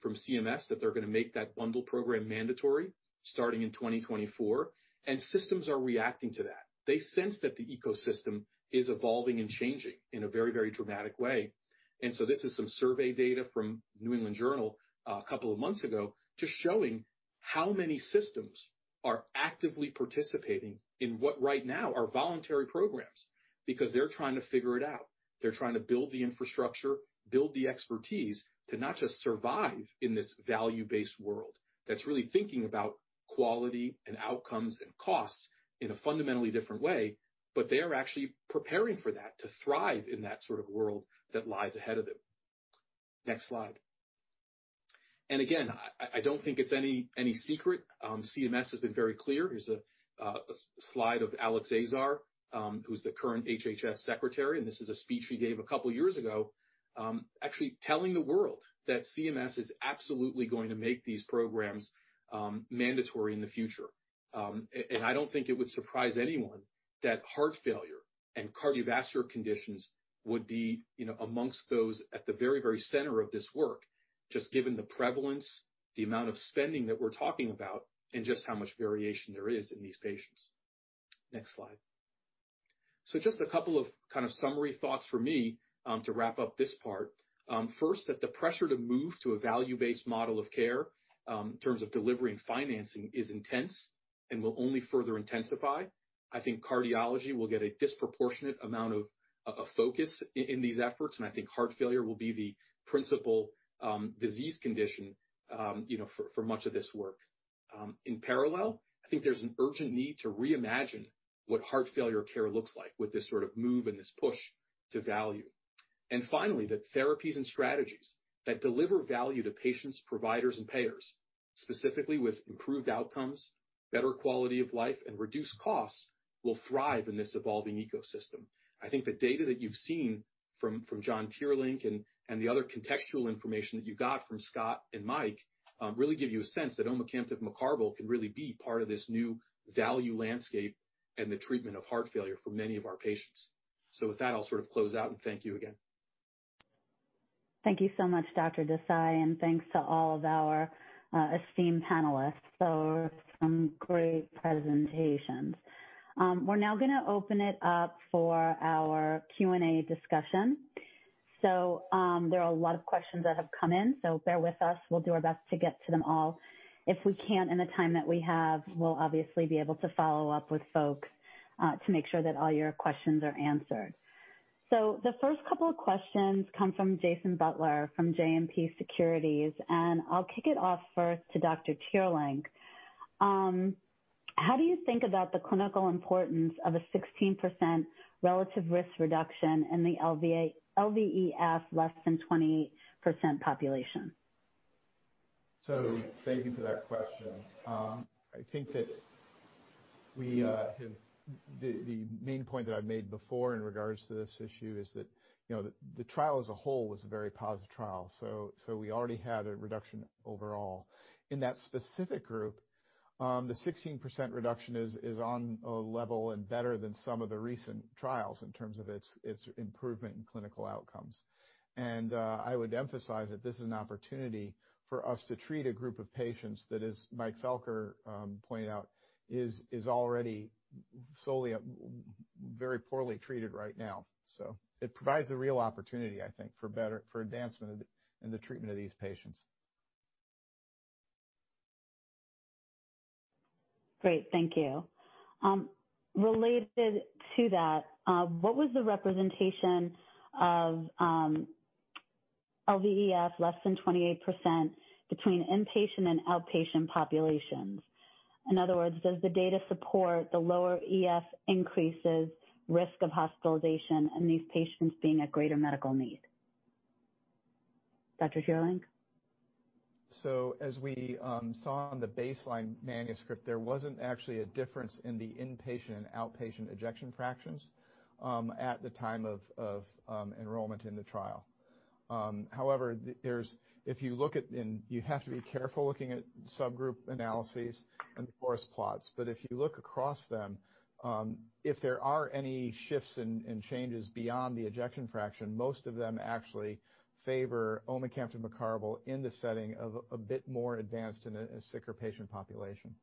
from CMS, that they're going to make that Bundle Program mandatory starting in 2024, and systems are reacting to that. They sense that the ecosystem is evolving and changing in a very dramatic way. This is some survey data from New England Journal, a couple of months ago, just showing how many systems are actively participating in what right now are voluntary programs because they're trying to figure it out. They're trying to build the infrastructure, build the expertise to not just survive in this value-based world that's really thinking about quality and outcomes and costs in a fundamentally different way, but they are actually preparing for that to thrive in that sort of world that lies ahead of them. Next slide. Again, I don't think it's any secret. CMS has been very clear. Here's a slide of Alex Azar, who's the current HHS Secretary, and this is a speech he gave a couple of years ago, actually telling the world that CMS is absolutely going to make these programs mandatory in the future. I don't think it would surprise anyone that heart failure and cardiovascular conditions would be amongst those at the very center of this work, just given the prevalence, the amount of spending that we're talking about, and just how much variation there is in these patients. Next slide. Just a couple of summary thoughts from me to wrap up this part. First, that the pressure to move to a value-based model of care in terms of delivery and financing is intense and will only further intensify. I think cardiology will get a disproportionate amount of focus in these efforts, and I think heart failure will be the principal disease condition for much of this work. In parallel, I think there's an urgent need to reimagine what heart failure care looks like with this sort of move and this push to value. Finally, that therapies and strategies that deliver value to patients, providers, and payers, specifically with improved outcomes, better quality of life, and reduced costs, will thrive in this evolving ecosystem. I think the data that you've seen from John Teerlink and the other contextual information that you got from Scott and Mike really give you a sense that omecamtiv mecarbil can really be part of this new value landscape and the treatment of heart failure for many of our patients. With that, I'll close out and thank you again. Thank you so much, Dr. Desai, and thanks to all of our esteemed panelists for some great presentations. We're now going to open it up for our Q&A discussion. There are a lot of questions that have come in, so bear with us. We'll do our best to get to them all. If we can't in the time that we have, we'll obviously be able to follow up with folks to make sure that all your questions are answered. The first couple of questions come from Jason Butler from JMP Securities, and I'll kick it off first to Dr. Teerlink. How do you think about the clinical importance of a 16% relative risk reduction in the LVEF less than 20% population? Thank you for that question. I think that the main point that I've made before in regards to this issue is that the trial as a whole was a very positive trial. We already had a reduction overall. In that specific group, the 16% reduction is on a level and better than some of the recent trials in terms of its improvement in clinical outcomes. I would emphasize that this is an opportunity for us to treat a group of patients that, as Michael Felker pointed out, is already solely very poorly treated right now. It provides a real opportunity, I think, for advancement in the treatment of these patients. Great. Thank you. Related to that, what was the representation of LVEF less than 28% between inpatient and outpatient populations? In other words, does the data support the lower EF increases risk of hospitalization and these patients being a greater medical need? Dr. Teerlink? As we saw on the baseline manuscript, there wasn't actually a difference in the inpatient and outpatient ejection fractions at the time of enrollment in the trial. However, you have to be careful looking at subgroup analyses and the forest plots, but if you look across them, if there are any shifts and changes beyond the ejection fraction, most of them actually favor omecamtiv mecarbil in the setting of a bit more advanced in a sicker patient population.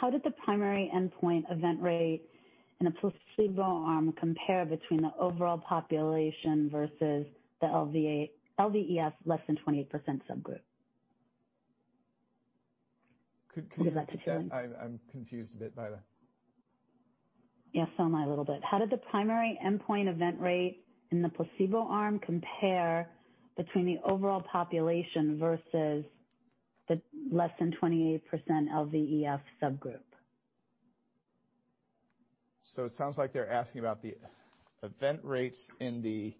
How did the primary endpoint event rate in a placebo arm compare between the overall population versus the LVEF less than 20% subgroup? Could you- Would you like to take that? I'm confused a bit by that. Yeah, am I a little bit. How did the primary endpoint event rate in the placebo arm compare between the overall population versus the less than 28% LVEF subgroup? It sounds like they're asking about the event rates. The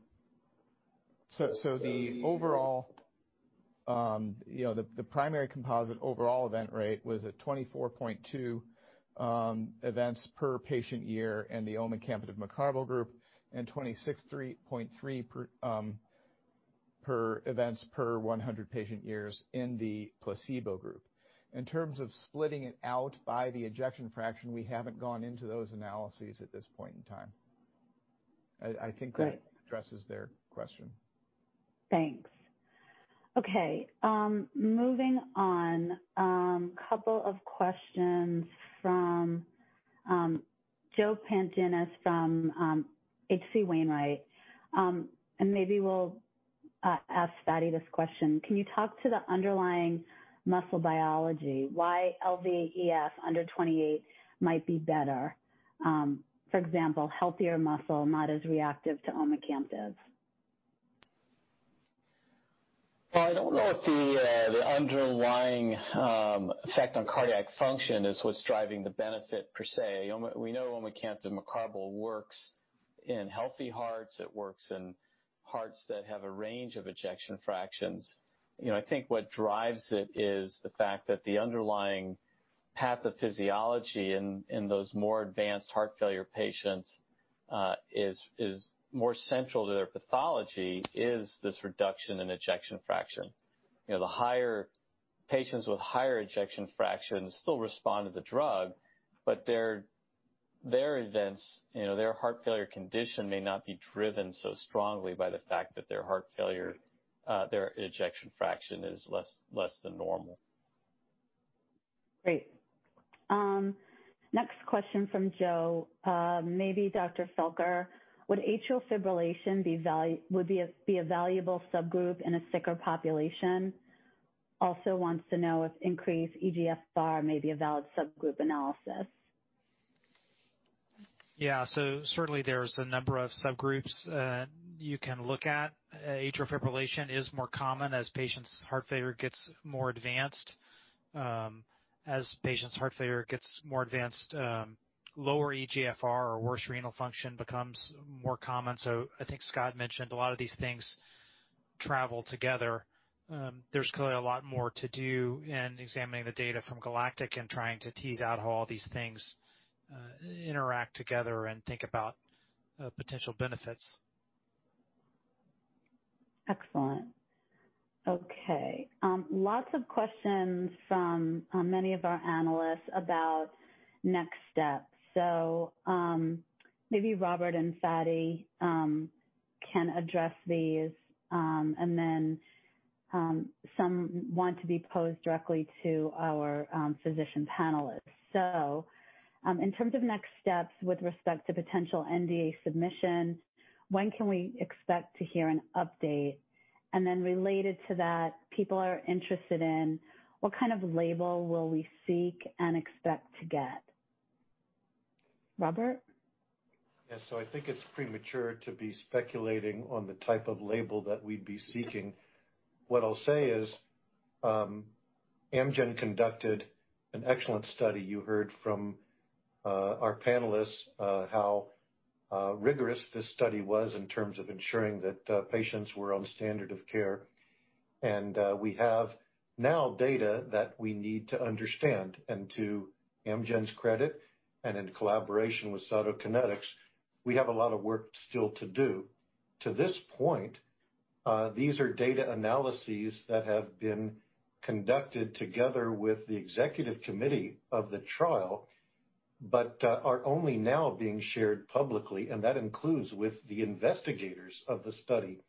primary composite overall event rate was at 24.2 events per patient year in the omecamtiv mecarbil group and 26.3 events per 100 patient years in the placebo group. In terms of splitting it out by the ejection fraction, we haven't gone into those analyses at this point in time. Great. I think that addresses their question. Thanks. Okay, moving on. Couple of questions from Joe Pantginis from H.C. Wainwright. Maybe we'll ask Fady this question. Can you talk to the underlying muscle biology, why LVEF under 28 might be better? For example, healthier muscle, not as reactive to omecamtiv. Well, I don't know if the underlying effect on cardiac function is what's driving the benefit per se. We know omecamtiv mecarbil works in healthy hearts. It works in hearts that have a range of ejection fractions. I think what drives it is the fact that the underlying pathophysiology in those more advanced heart failure patients is more central to their pathology is this reduction in ejection fraction. Patients with higher ejection fractions still respond to the drug, but their heart failure condition may not be driven so strongly by the fact that their ejection fraction is less than normal. Great. Next question from Joe. Maybe Dr. Felker. Would atrial fibrillation be a valuable subgroup in a sicker population? Also wants to know if increased eGFR may be a valid subgroup analysis. Yeah. Certainly there's a number of subgroups you can look at. Atrial fibrillation is more common as patients' heart failure gets more advanced. As patients' heart failure gets more advanced, lower eGFR or worse renal function becomes more common. I think Scott mentioned a lot of these things travel together. There's clearly a lot more to do in examining the data from GALACTIC and trying to tease out how all these things interact together and think about potential benefits. Excellent. Okay. Lots of questions from many of our analysts about next steps. Maybe Robert and Fady can address these, and then some want to be posed directly to our physician panelists. In terms of next steps with respect to potential NDA submission, when can we expect to hear an update? Related to that, people are interested in what kind of label will we seek and expect to get? Robert? Yeah, I think it's premature to be speculating on the type of label that we'd be seeking. What I'll say is, Amgen conducted an excellent study. You heard from our panelists how rigorous this study was in terms of ensuring that patients were on standard of care. We have now data that we need to understand, and to Amgen's credit, and in collaboration with Cytokinetics, we have a lot of work still to do. To this point, these are data analyses that have been conducted together with the executive committee of the trial, but are only now being shared publicly, and that includes with the investigators of the study.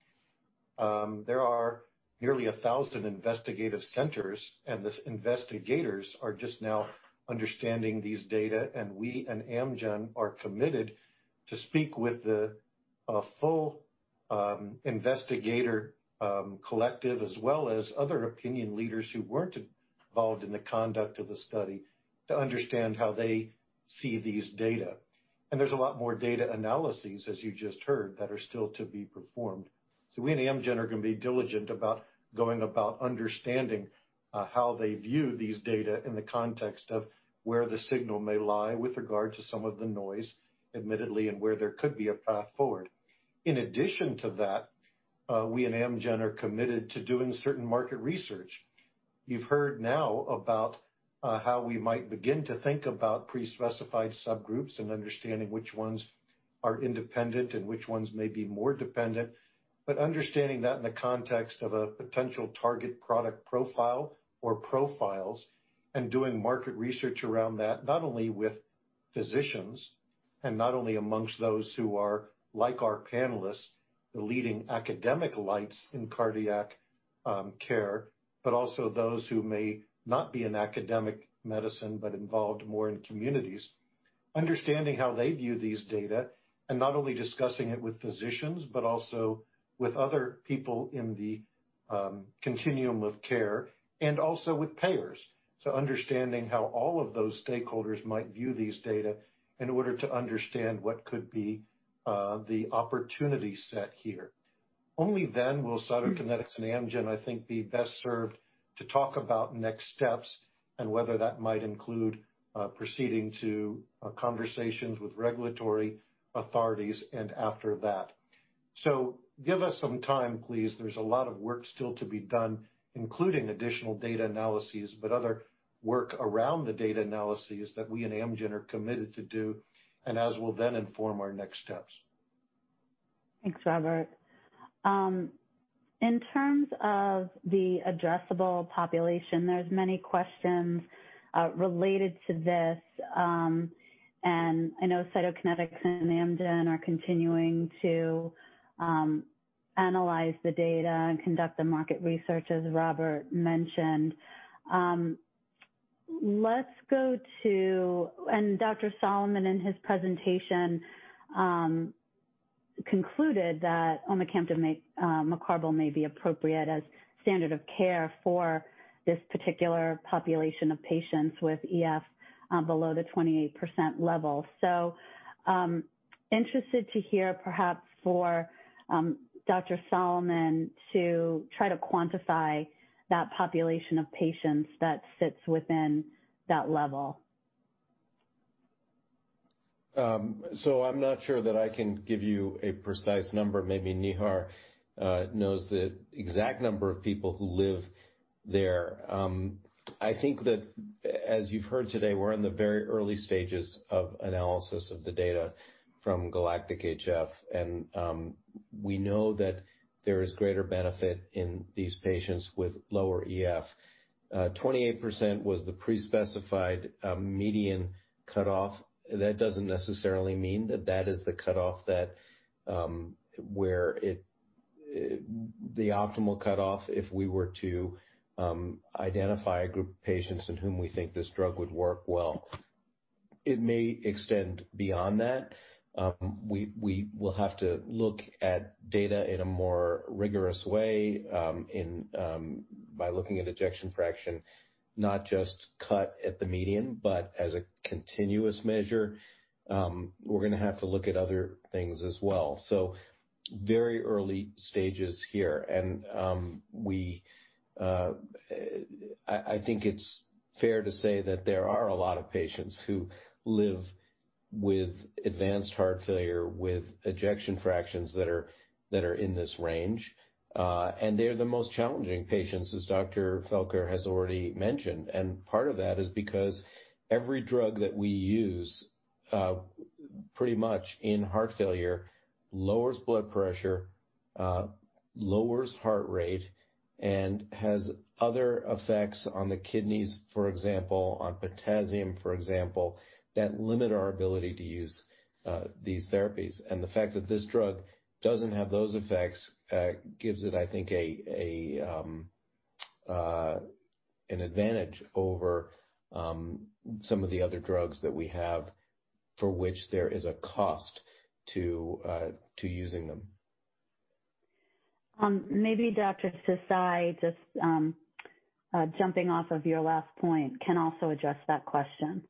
There are nearly 1,000 investigative centers, and these investigators are just now understanding these data, and we and Amgen are committed to speak with a full investigator collective as well as other opinion leaders who weren't involved in the conduct of the study to understand how they see these data. There's a lot more data analyses, as you just heard, that are still to be performed. We and Amgen are going to be diligent about going about understanding how they view these data in the context of where the signal may lie with regard to some of the noise, admittedly, and where there could be a path forward. In addition to that, we and Amgen are committed to doing certain market research. You've heard now about how we might begin to think about pre-specified subgroups and understanding which ones are independent and which ones may be more dependent, but understanding that in the context of a potential target product profile or profiles and doing market research around that, not only with physicians and not only amongst those who are, like our panelists, the leading academic lights in cardiac care, but also those who may not be in academic medicine but involved more in communities. Understanding how they view these data and not only discussing it with physicians, but also with other people in the continuum of care and also with payers. Understanding how all of those stakeholders might view these data in order to understand what could be the opportunity set here. Only then will Cytokinetics and Amgen, I think, be best served to talk about next steps and whether that might include proceeding to conversations with regulatory authorities and after that. Give us some time, please. There's a lot of work still to be done, including additional data analyses, but other work around the data analyses that we and Amgen are committed to do and as we'll then inform our next steps. Thanks, Robert. In terms of the addressable population, there's many questions related to this. I know Cytokinetics and Amgen are continuing to analyze the data and conduct the market research, as Robert mentioned. Dr. Solomon in his presentation, concluded that omecamtiv mecarbil may be appropriate as standard of care for this particular population of patients with EF below the 28% level. Interested to hear perhaps for Dr. Solomon to try to quantify that population of patients that sits within that level. I'm not sure that I can give you a precise number. Maybe Nihar knows the exact number of people who live there. I think that, as you've heard today, we're in the very early stages of analysis of the data from GALACTIC-HF, and we know that there is greater benefit in these patients with lower EF. 28% was the pre-specified median cutoff. That doesn't necessarily mean that is the optimal cutoff if we were to identify a group of patients in whom we think this drug would work well. It may extend beyond that. We will have to look at data in a more rigorous way by looking at ejection fraction, not just cut at the median, but as a continuous measure. We're going to have to look at other things as well. Very early stages here. I think it's fair to say that there are a lot of patients who live with advanced heart failure, with ejection fractions that are in this range. They're the most challenging patients, as Dr. Felker has already mentioned. Part of that is because every drug that we use, pretty much in heart failure, lowers blood pressure, lowers heart rate, and has other effects on the kidneys, for example, on potassium, for example, that limit our ability to use these therapies. The fact that this drug doesn't have those effects gives it, I think, an advantage over some of the other drugs that we have for which there is a cost to using them. Maybe Dr. Desai, just jumping off of your last point, can also address that question?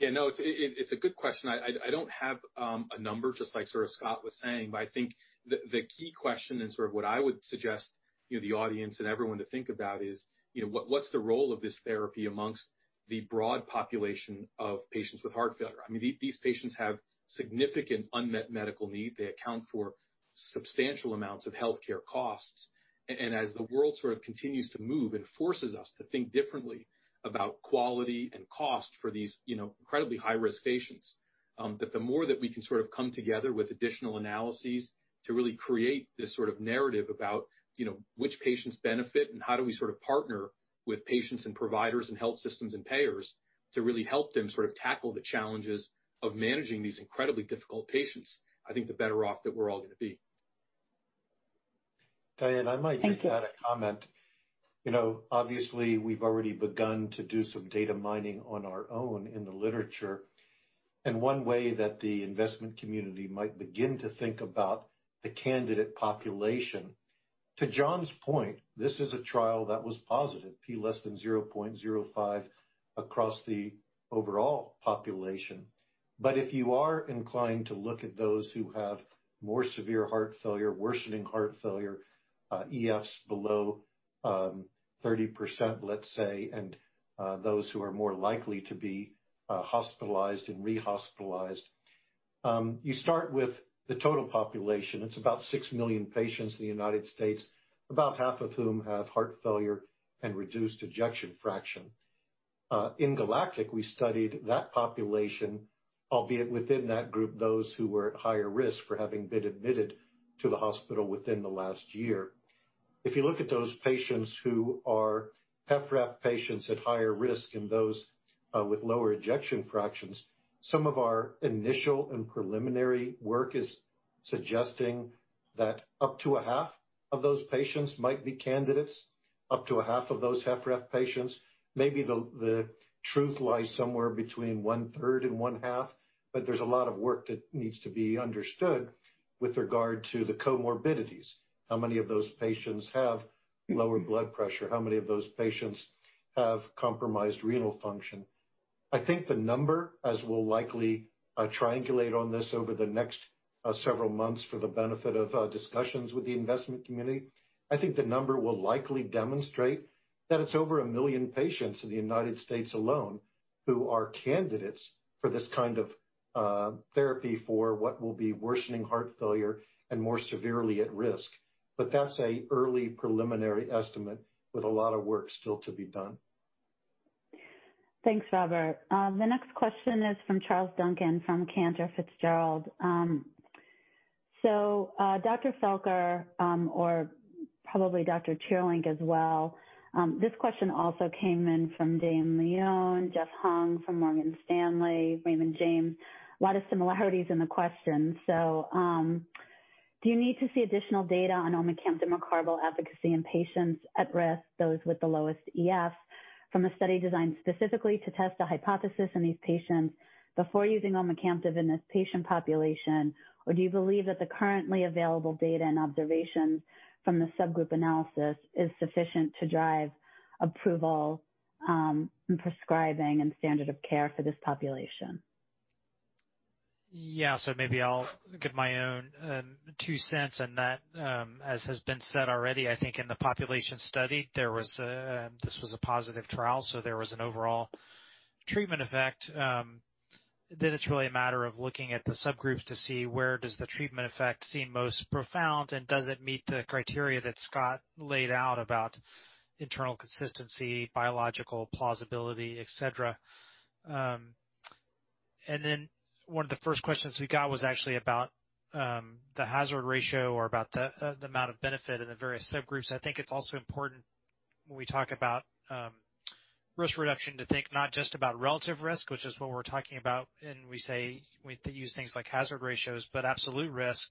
Yeah. No, it's a good question. I don't have a number, just like sort of Scott was saying, but I think the key question and sort of what I would suggest the audience and everyone to think about is what's the role of this therapy amongst the broad population of patients with heart failure? These patients have significant unmet medical need. They account for substantial amounts of healthcare costs. As the world sort of continues to move and forces us to think differently about quality and cost for these incredibly high-risk patients, that the more that we can sort of come together with additional analyses to really create this sort of narrative about which patients benefit and how do we sort of partner with patients and providers and health systems and payers to really help them sort of tackle the challenges of managing these incredibly difficult patients, I think the better off that we're all going to be. Diane, I might just add a comment. Thank you. Obviously, we've already begun to do some data mining on our own in the literature, and one way that the investment community might begin to think about the candidate population. To John's point, this is a trial that was positive, P less than 0.05 across the overall population. If you are inclined to look at those who have more severe heart failure, worsening heart failure, EFs below 30%, let's say, and those who are more likely to be hospitalized and rehospitalized You start with the total population. It's about 6 million patients in the U.S., about half of whom have heart failure and reduced ejection fraction. In GALACTIC, we studied that population, albeit within that group, those who were at higher risk for having been admitted to the hospital within the last year. If you look at those patients who are HFrEF patients at higher risk and those with lower ejection fractions, some of our initial and preliminary work is suggesting that up to a half of those patients might be candidates, up to a half of those HFrEF patients. Maybe the truth lies somewhere between one-third and one-half. There's a lot of work that needs to be understood with regard to the comorbidities. How many of those patients have lower blood pressure? How many of those patients have compromised renal function? I think the number, as we'll likely triangulate on this over the next several months for the benefit of discussions with the investment community, I think the number will likely demonstrate that it's over 1 million patients in the U.S. alone who are candidates for this kind of therapy for what will be worsening heart failure and more severely at risk. That's an early preliminary estimate with a lot of work still to be done. Thanks, Robert. The next question is from Charles Duncan from Cantor Fitzgerald. Dr. Felker or probably Dr. Teerlink as well. This question also came in from Dane Leone, Jeffrey Hung from Morgan Stanley, Raymond James. A lot of similarities in the question. Do you need to see additional data on omecamtiv mecarbil efficacy in patients at risk, those with the lowest EF, from a study designed specifically to test a hypothesis in these patients before using omecamtiv in this patient population? Do you believe that the currently available data and observations from the subgroup analysis is sufficient to drive approval, and prescribing and standard of care for this population? Yeah. Maybe I'll give my own two cents on that. As has been said already, I think in the population study, this was a positive trial, so there was an overall treatment effect. It's really a matter of looking at the subgroups to see where does the treatment effect seem most profound, and does it meet the criteria that Scott laid out about internal consistency, biological plausibility, et cetera. One of the first questions we got was actually about the hazard ratio or about the amount of benefit in the various subgroups. I think it's also important when we talk about risk reduction to think not just about relative risk, which is what we're talking about when we use things like hazard ratios, but absolute risk.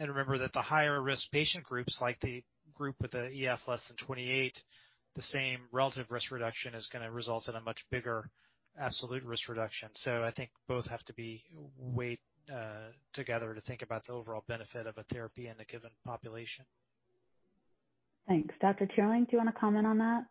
Remember that the higher risk patient groups, like the group with the EF less than 28, the same relative risk reduction is going to result in a much bigger absolute risk reduction. I think both have to be weighed together to think about the overall benefit of a therapy in a given population. Thanks. Dr. Teerlink, do you want to comment on that?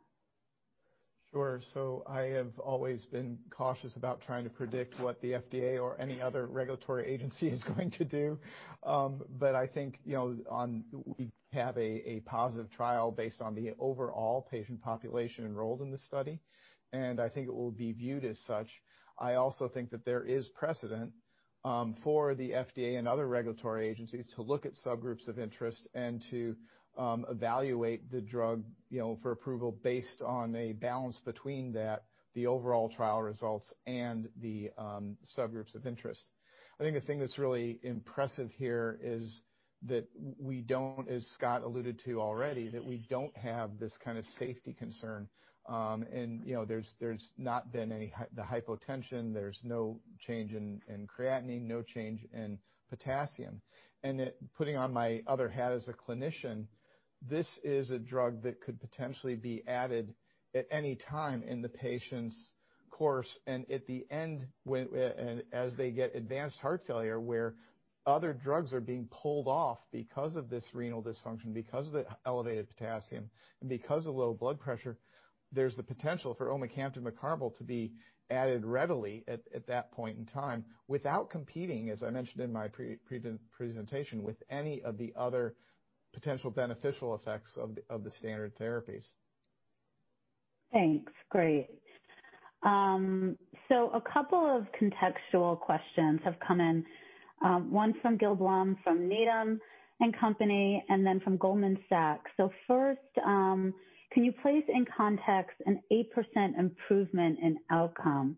Sure. I have always been cautious about trying to predict what the FDA or any other regulatory agency is going to do. I think we have a positive trial based on the overall patient population enrolled in the study, and I think it will be viewed as such. I also think that there is precedent for the FDA and other regulatory agencies to look at subgroups of interest and to evaluate the drug for approval based on a balance between that, the overall trial results and the subgroups of interest. I think the thing that's really impressive here is that we don't, as Scott alluded to already, that we don't have this kind of safety concern. There's not been the hypotension, there's no change in creatinine, no change in potassium. Putting on my other hat as a clinician, this is a drug that could potentially be added at any time in the patient's course and at the end, as they get advanced heart failure, where other drugs are being pulled off because of this renal dysfunction, because of the elevated potassium and because of low blood pressure. There's the potential for omecamtiv mecarbil to be added readily at that point in time without competing, as I mentioned in my presentation, with any of the other potential beneficial effects of the standard therapies. Thanks. Great. A couple of contextual questions have come in. One from Gil Blum, from Needham & Company, and then from Goldman Sachs. First, can you place in context an 8% improvement in outcome?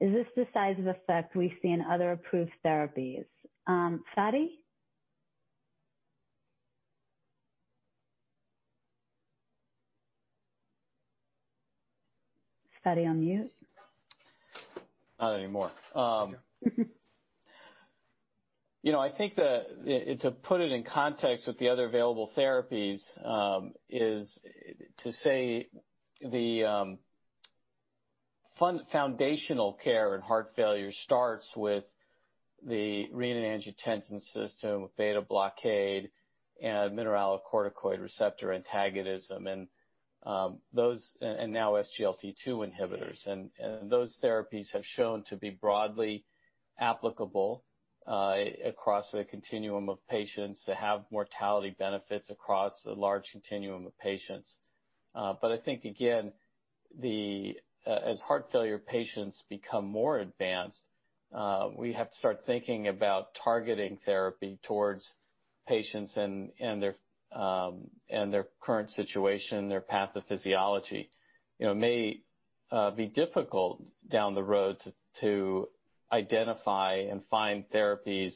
Is this the size of effect we see in other approved therapies? Fady? Is Fady on mute? Not anymore. I think to put it in context with the other available therapies is to say the foundational care in heart failure starts with the renin-angiotensin system with beta blockade and mineralocorticoid receptor antagonism, and now SGLT2 inhibitors. Those therapies have shown to be broadly applicable across the continuum of patients that have mortality benefits across a large continuum of patients. As heart failure patients become more advanced, we have to start thinking about targeting therapy towards patients and their current situation, their pathophysiology. It may be difficult down the road to identify and find therapies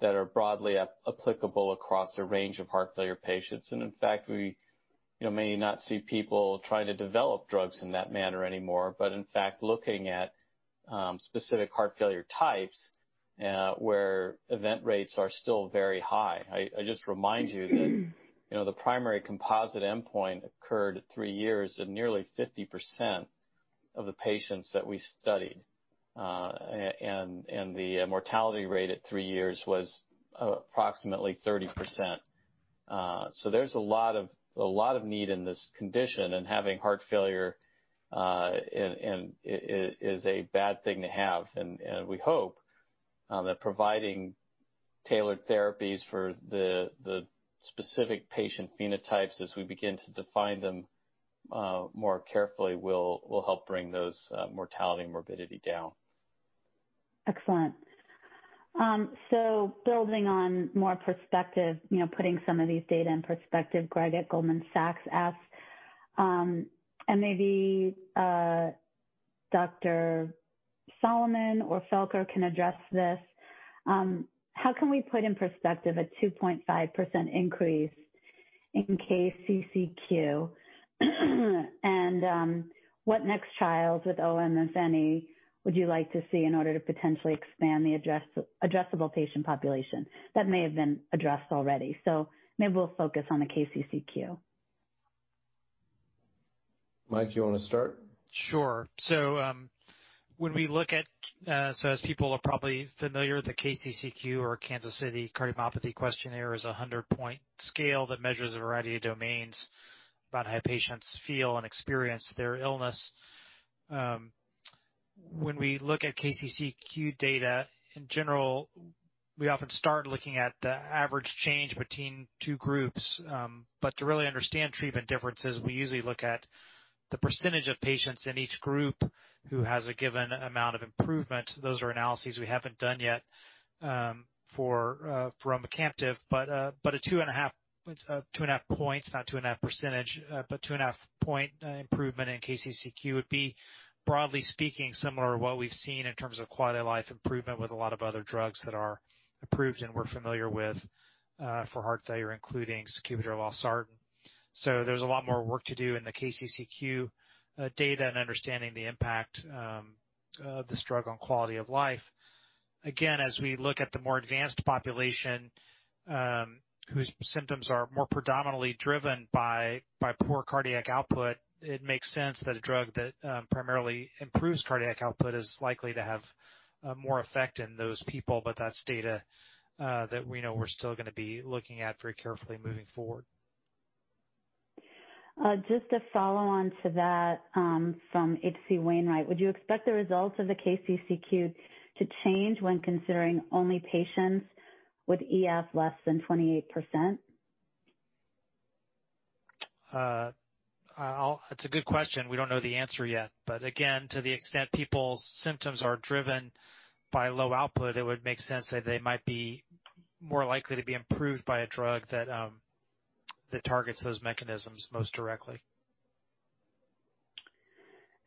that are broadly applicable across a range of heart failure patients. In fact, we may not see people trying to develop drugs in that manner anymore, but in fact, looking at specific heart failure types where event rates are still very high. I just remind you that the primary composite endpoint occurred at three years in nearly 50% of the patients that we studied. The mortality rate at three years was approximately 30%. There's a lot of need in this condition, and having heart failure is a bad thing to have. We hope that providing tailored therapies for the specific patient phenotypes as we begin to define them more carefully will help bring those mortality and morbidity down. Excellent. Building on more perspective, putting some of these data in perspective, Greg at Goldman Sachs asks, and maybe Dr. Solomon or Felker can address this. How can we put in perspective a 2.5% increase in KCCQ? What next trials with omecamtiv, if any, would you like to see in order to potentially expand the addressable patient population? That may have been addressed already. Maybe we'll focus on the KCCQ. Michael, you want to start? Sure. As people are probably familiar, the KCCQ, or Kansas City Cardiomyopathy Questionnaire, is a 100-point scale that measures a variety of domains about how patients feel and experience their illness. When we look at KCCQ data, in general, we often start looking at the average change between two groups. To really understand treatment differences, we usually look at the percentage of patients in each group who has a given amount of improvement. Those are analyses we haven't done yet for omecamtiv. A two and a half points, not two and a half percentage, but two and a half point improvement in KCCQ would be, broadly speaking, similar to what we've seen in terms of quality of life improvement with a lot of other drugs that are approved and we're familiar with for heart failure, including sacubitril/valsartan. There's a lot more work to do in the KCCQ data and understanding the impact of this drug on quality of life. Again, as we look at the more advanced population, whose symptoms are more predominantly driven by poor cardiac output, it makes sense that a drug that primarily improves cardiac output is likely to have more effect in those people. That's data that we know we're still going to be looking at very carefully moving forward. Just to follow on to that from H.C. Wainwright. Would you expect the results of the KCCQ to change when considering only patients with EF less than 28%? It's a good question. We don't know the answer yet. Again, to the extent people's symptoms are driven by low output, it would make sense that they might be more likely to be improved by a drug that targets those mechanisms most directly.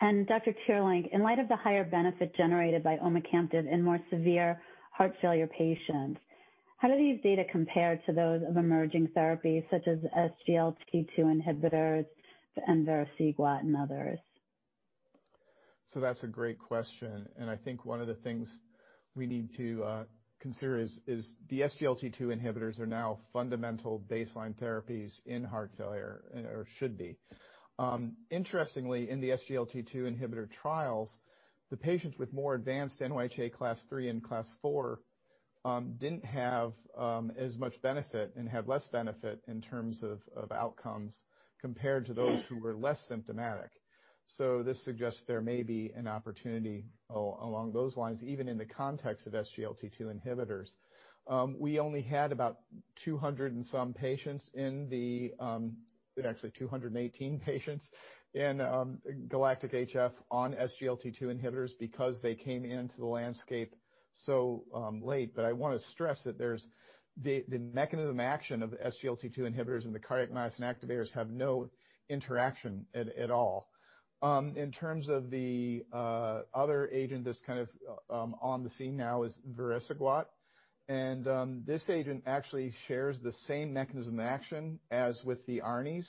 Dr. Teerlink, in light of the higher benefit generated by omecamtiv in more severe heart failure patients, how do these data compare to those of emerging therapies such as SGLT2 inhibitors and vericiguat and others? That's a great question, and I think one of the things we need to consider is the SGLT2 inhibitors are now fundamental baseline therapies in heart failure, or should be. Interestingly, in the SGLT2 inhibitor trials, the patients with more advanced NYHA Class III and Class IV didn't have as much benefit and had less benefit in terms of outcomes compared to those who were less symptomatic. We only had about 200 and some patients in the, actually 218 patients, in GALACTIC-HF on SGLT2 inhibitors because they came into the landscape so late. I want to stress that the mechanism action of SGLT2 inhibitors and the cardiac myosin activators have no interaction at all. In terms of the other agent that's kind of on the scene now is vericiguat. This agent actually shares the same mechanism action as with the ARNIs,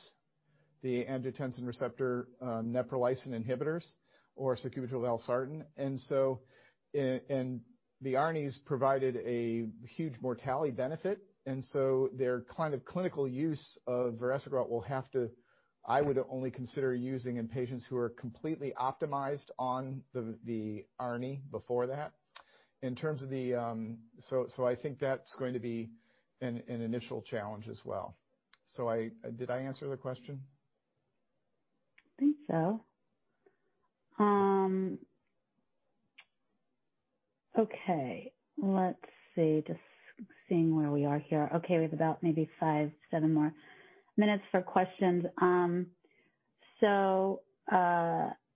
the angiotensin receptor-neprilysin inhibitors, or sacubitril/valsartan. The ARNIs provided a huge mortality benefit. Their clinical use of vericiguat I would only consider using in patients who are completely optimized on the ARNI before that. I think that's going to be an initial challenge as well. Did I answer the question? I think so. Okay. Let's see. Just seeing where we are here. We have about maybe five, seven more minutes for questions.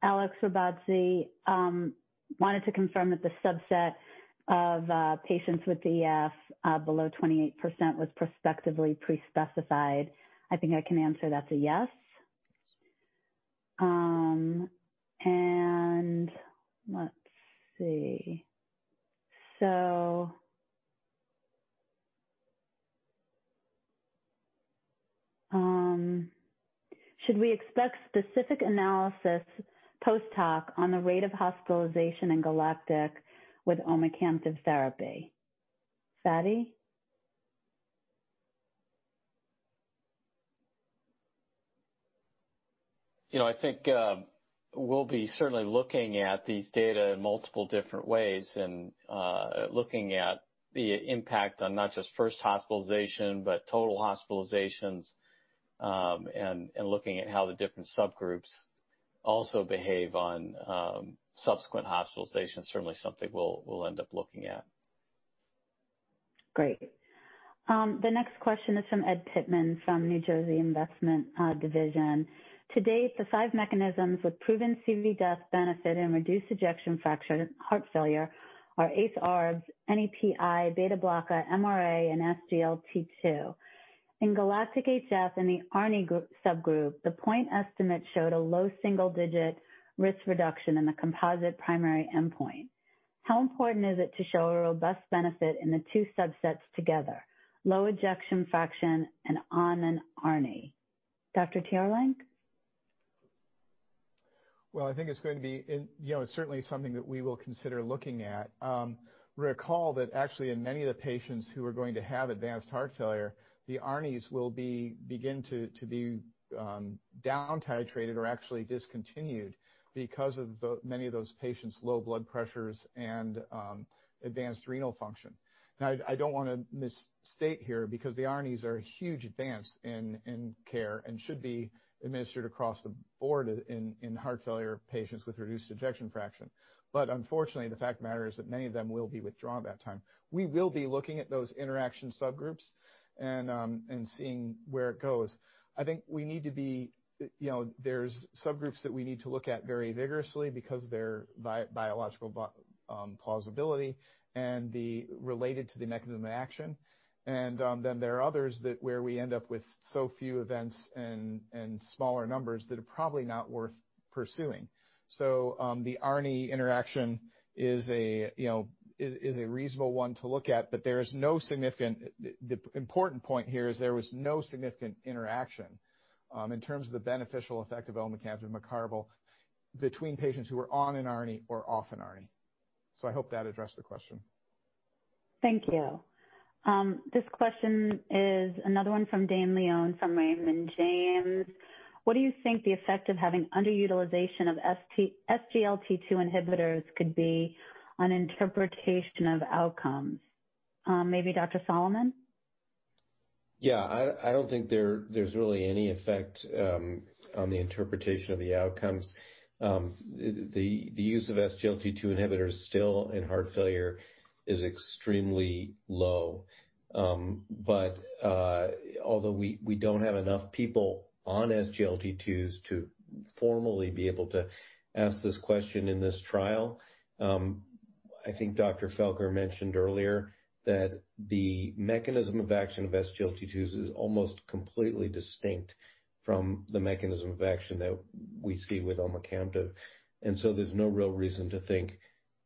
Alex Rabazy wanted to confirm that the subset of patients with the EF below 28% was prospectively pre-specified. I think I can answer that's a yes. Let's see. Should we expect specific analysis post hoc on the rate of hospitalization in GALACTIC with omecamtiv therapy? Fady? I think we'll be certainly looking at these data in multiple different ways and looking at the impact on not just first hospitalization, but total hospitalizations, and looking at how the different subgroups also behave on subsequent hospitalizations. Certainly something we'll end up looking at. Great. The next question is from Ed Pittman from New Jersey Investment Division. To date, the five mechanisms with proven CV death benefit in reduced ejection fraction heart failure are ACE/ARBs, NEPI, beta blocker, MRA, and SGLT2. In GALACTIC-HF in the ARNi subgroup, the point estimate showed a low single-digit risk reduction in the composite primary endpoint. How important is it to show a robust benefit in the two subsets together, low ejection fraction and on an ARNi? Dr. Teerlink? Well, I think it's certainly something that we will consider looking at. Recall that actually in many of the patients who are going to have advanced heart failure, the ARNI will begin to be down titrated or actually discontinued because of many of those patients' low blood pressures and advanced renal function. I don't want to misstate here, because the ARNI are a huge advance in care and should be administered across the board in heart failure patients with reduced ejection fraction. Unfortunately, the fact of the matter is that many of them will be withdrawn by that time. We will be looking at those interaction subgroups and seeing where it goes. I think there's subgroups that we need to look at very vigorously because of their biological plausibility and related to the mechanism of action. There are others where we end up with so few events and smaller numbers that are probably not worth pursuing. The ARNI interaction is a reasonable one to look at, but the important point here is there was no significant interaction in terms of the beneficial effect of omecamtiv mecarbil between patients who were on an ARNI or off an ARNI. I hope that addressed the question. Thank you. This question is another one from Dane Leone from Raymond James. What do you think the effect of having underutilization of SGLT2 inhibitors could be on interpretation of outcomes? Maybe Dr. Solomon? Yeah, I don't think there's really any effect on the interpretation of the outcomes. The use of SGLT2 inhibitors still in heart failure is extremely low. Although we don't have enough people on SGLT2s to formally be able to ask this question in this trial, I think Dr. Felker mentioned earlier that the mechanism of action of SGLT2s is almost completely distinct from the mechanism of action that we see with omecamtiv. There's no real reason to think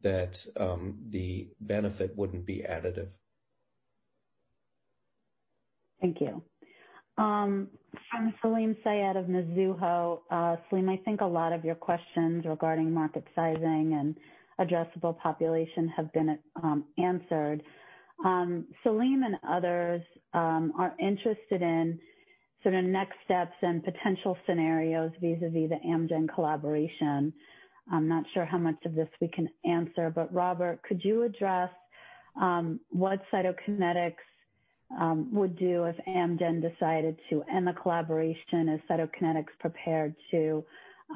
that the benefit wouldn't be additive. Thank you. From Salim Syed of Mizuho. Salim, I think a lot of your questions regarding market sizing and addressable population have been answered. Salim and others are interested in sort of next steps and potential scenarios vis-a-vis the Amgen collaboration. I'm not sure how much of this we can answer, but Robert, could you address what Cytokinetics would do if Amgen decided to end the collaboration? Is Cytokinetics prepared to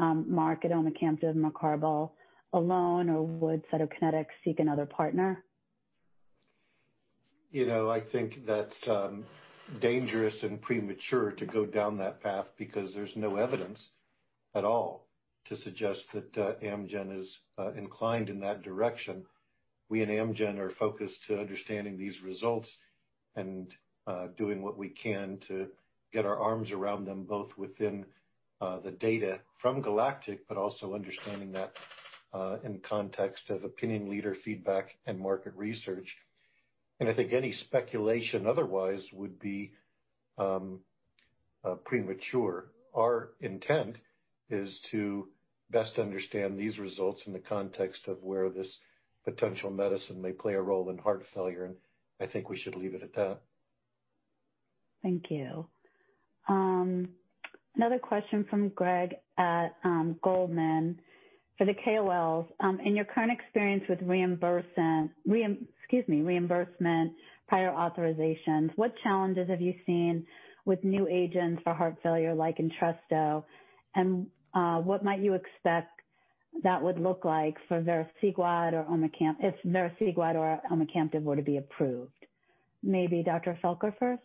market omecamtiv mecarbil alone, or would Cytokinetics seek another partner? I think that's dangerous and premature to go down that path because there's no evidence at all to suggest that Amgen is inclined in that direction. We and Amgen are focused to understanding these results and doing what we can to get our arms around them, both within the data from GALACTIC, but also understanding that in context of opinion leader feedback and market research. I think any speculation otherwise would be premature. Our intent is to best understand these results in the context of where this potential medicine may play a role in heart failure, and I think we should leave it at that. Thank you. Another question from Greg at Goldman. For the KOLs, in your current experience with reimbursement, prior authorizations, what challenges have you seen with new agents for heart failure like Entresto, and what might you expect that would look like if vericiguat or omecamtiv were to be approved? Maybe Dr. Felker first?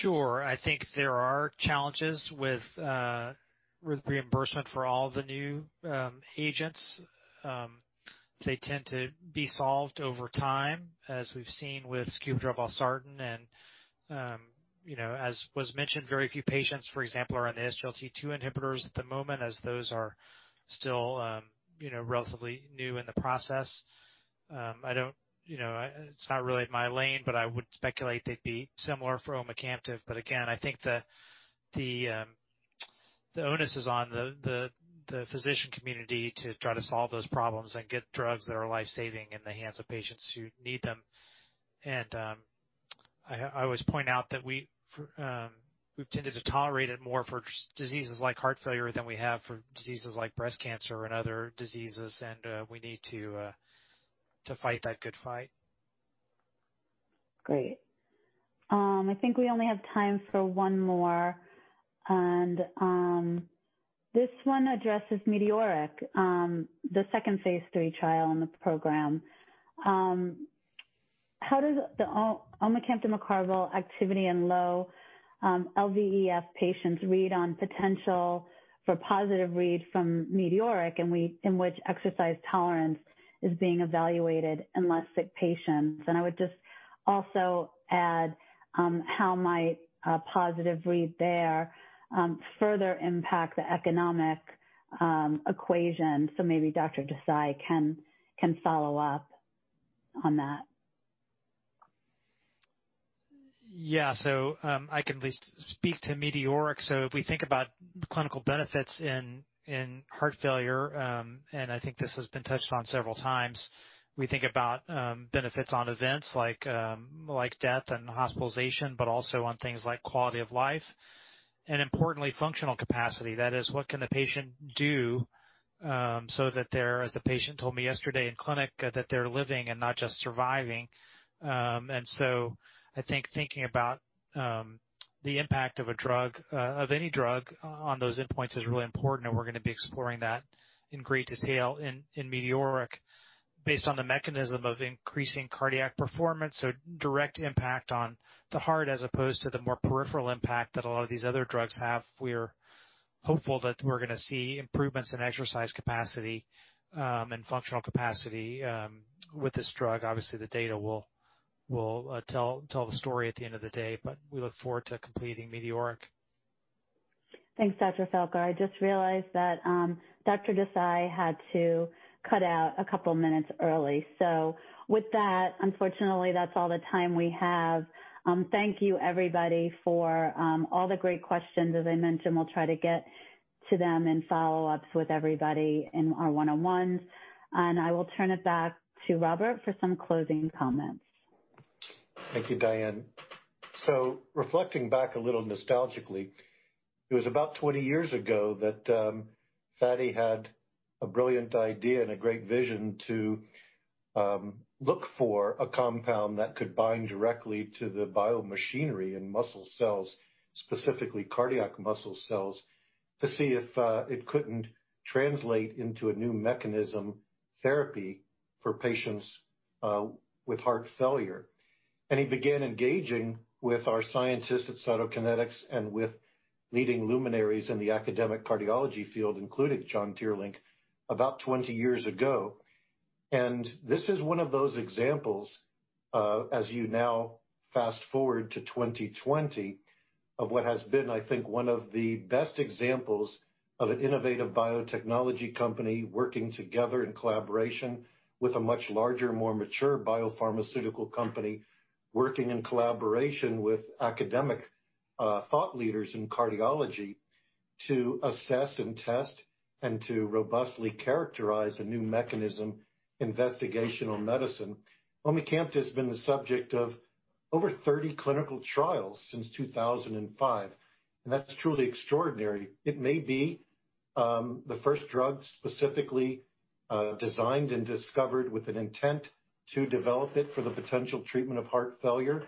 Sure. I think there are challenges with reimbursement for all the new agents. They tend to be solved over time, as we've seen with sacubitril/valsartan and, as was mentioned, very few patients, for example, are on the SGLT2 inhibitors at the moment, as those are still relatively new in the process. I would speculate they'd be similar for omecamtiv. Again, I think the onus is on the physician community to try to solve those problems and get drugs that are life-saving in the hands of patients who need them. I always point out that we've tended to tolerate it more for diseases like heart failure than we have for diseases like breast cancer and other diseases. We need to fight that good fight. Great. I think we only have time for one more. This one addresses METEORIC-HF, the second phase III trial in the program. How does the omecamtiv mecarbil activity in low LVEF patients read on potential for positive read from METEORIC-HF, in which exercise tolerance is being evaluated in less sick patients? I would just also add, how might a positive read there further impact the economic equation? Maybe Dr. Desai can follow up on that. Yeah. I can at least speak to METEORIC-HF. If we think about clinical benefits in heart failure, and I think this has been touched on several times, we think about benefits on events like death and hospitalization, but also on things like quality of life and importantly, functional capacity. That is, what can the patient do so that they're, as a patient told me yesterday in clinic, that they're living and not just surviving. I think thinking about the impact of any drug on those endpoints is really important, and we're going to be exploring that in great detail in METEORIC-HF based on the mechanism of increasing cardiac performance. Direct impact on the heart as opposed to the more peripheral impact that a lot of these other drugs have. We're hopeful that we're going to see improvements in exercise capacity and functional capacity with this drug. Obviously, the data will tell the story at the end of the day, but we look forward to completing METEORIC-HF. Thanks, Dr. Felker. I just realized that Dr. Desai had to cut out a couple of minutes early. With that, unfortunately, that's all the time we have. Thank you everybody for all the great questions. As I mentioned, we'll try to get to them in follow-ups with everybody in our one-on-ones, and I will turn it back to Robert for some closing comments. Thank you, Diane. Reflecting back a little nostalgically, it was about 20 years ago that Fady had a brilliant idea and a great vision to look for a compound that could bind directly to the biomachinery in muscle cells, specifically cardiac muscle cells, to see if it couldn't translate into a new mechanism therapy for patients with heart failure. He began engaging with our scientists at Cytokinetics and with leading luminaries in the academic cardiology field, including John Teerlink, about 20 years ago. This is one of those examples, as you now fast-forward to 2020 of what has been, I think, one of the best examples of an innovative biotechnology company working together in collaboration with a much larger, more mature biopharmaceutical company, working in collaboration with academic thought leaders in cardiology to assess and test and to robustly characterize a new mechanism investigational medicine. Omecamtiv has been the subject of over 30 clinical trials since 2005. That's truly extraordinary. It may be the first drug specifically designed and discovered with an intent to develop it for the potential treatment of heart failure.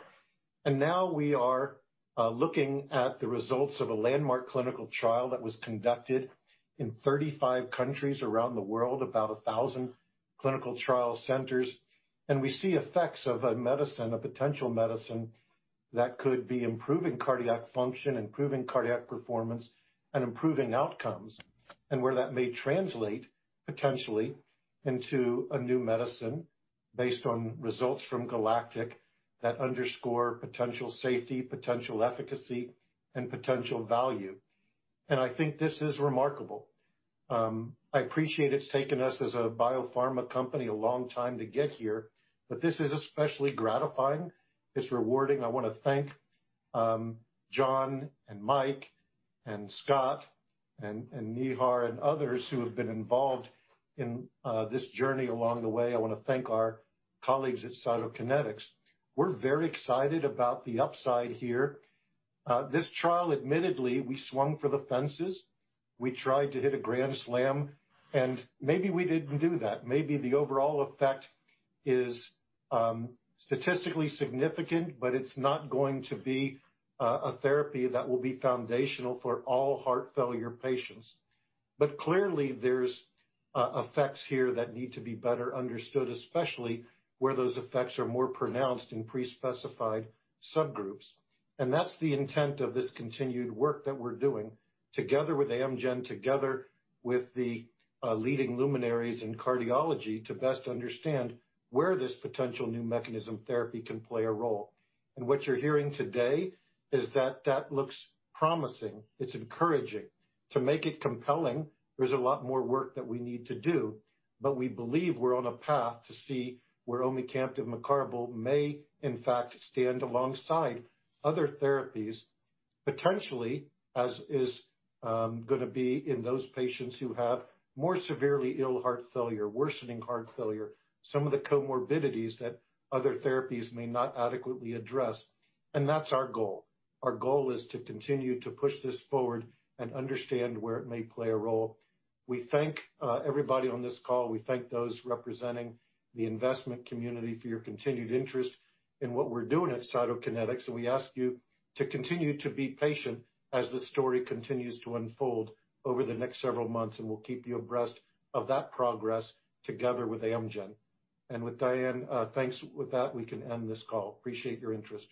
Now we are looking at the results of a landmark clinical trial that was conducted in 35 countries around the world, about 1,000 clinical trial centers. We see effects of a medicine, a potential medicine that could be improving cardiac function, improving cardiac performance, and improving outcomes. Where that may translate potentially into a new medicine based on results from GALACTIC that underscore potential safety, potential efficacy, and potential value. I think this is remarkable. I appreciate it's taken us as a biopharma company a long time to get here, but this is especially gratifying. It's rewarding. I want to thank John and Mike and Scott and Nihar and others who have been involved in this journey along the way. I want to thank our colleagues at Cytokinetics. We're very excited about the upside here. This trial, admittedly, we swung for the fences. We tried to hit a grand slam, and maybe we didn't do that. Maybe the overall effect is statistically significant, it's not going to be a therapy that will be foundational for all heart failure patients. Clearly, there's effects here that need to be better understood, especially where those effects are more pronounced in pre-specified subgroups. That's the intent of this continued work that we're doing together with Amgen, together with the leading luminaries in cardiology to best understand where this potential new mechanism therapy can play a role. What you're hearing today is that that looks promising. It's encouraging. To make it compelling, there's a lot more work that we need to do, but we believe we're on a path to see where omecamtiv mecarbil may, in fact, stand alongside other therapies, potentially as is going to be in those patients who have more severely ill heart failure, worsening heart failure, some of the comorbidities that other therapies may not adequately address, and that's our goal. Our goal is to continue to push this forward and understand where it may play a role. We thank everybody on this call. We thank those representing the investment community for your continued interest in what we're doing at Cytokinetics, and we ask you to continue to be patient as the story continues to unfold over the next several months, and we'll keep you abreast of that progress together with Amgen. With Diane, thanks. With that, we can end this call. Appreciate your interest.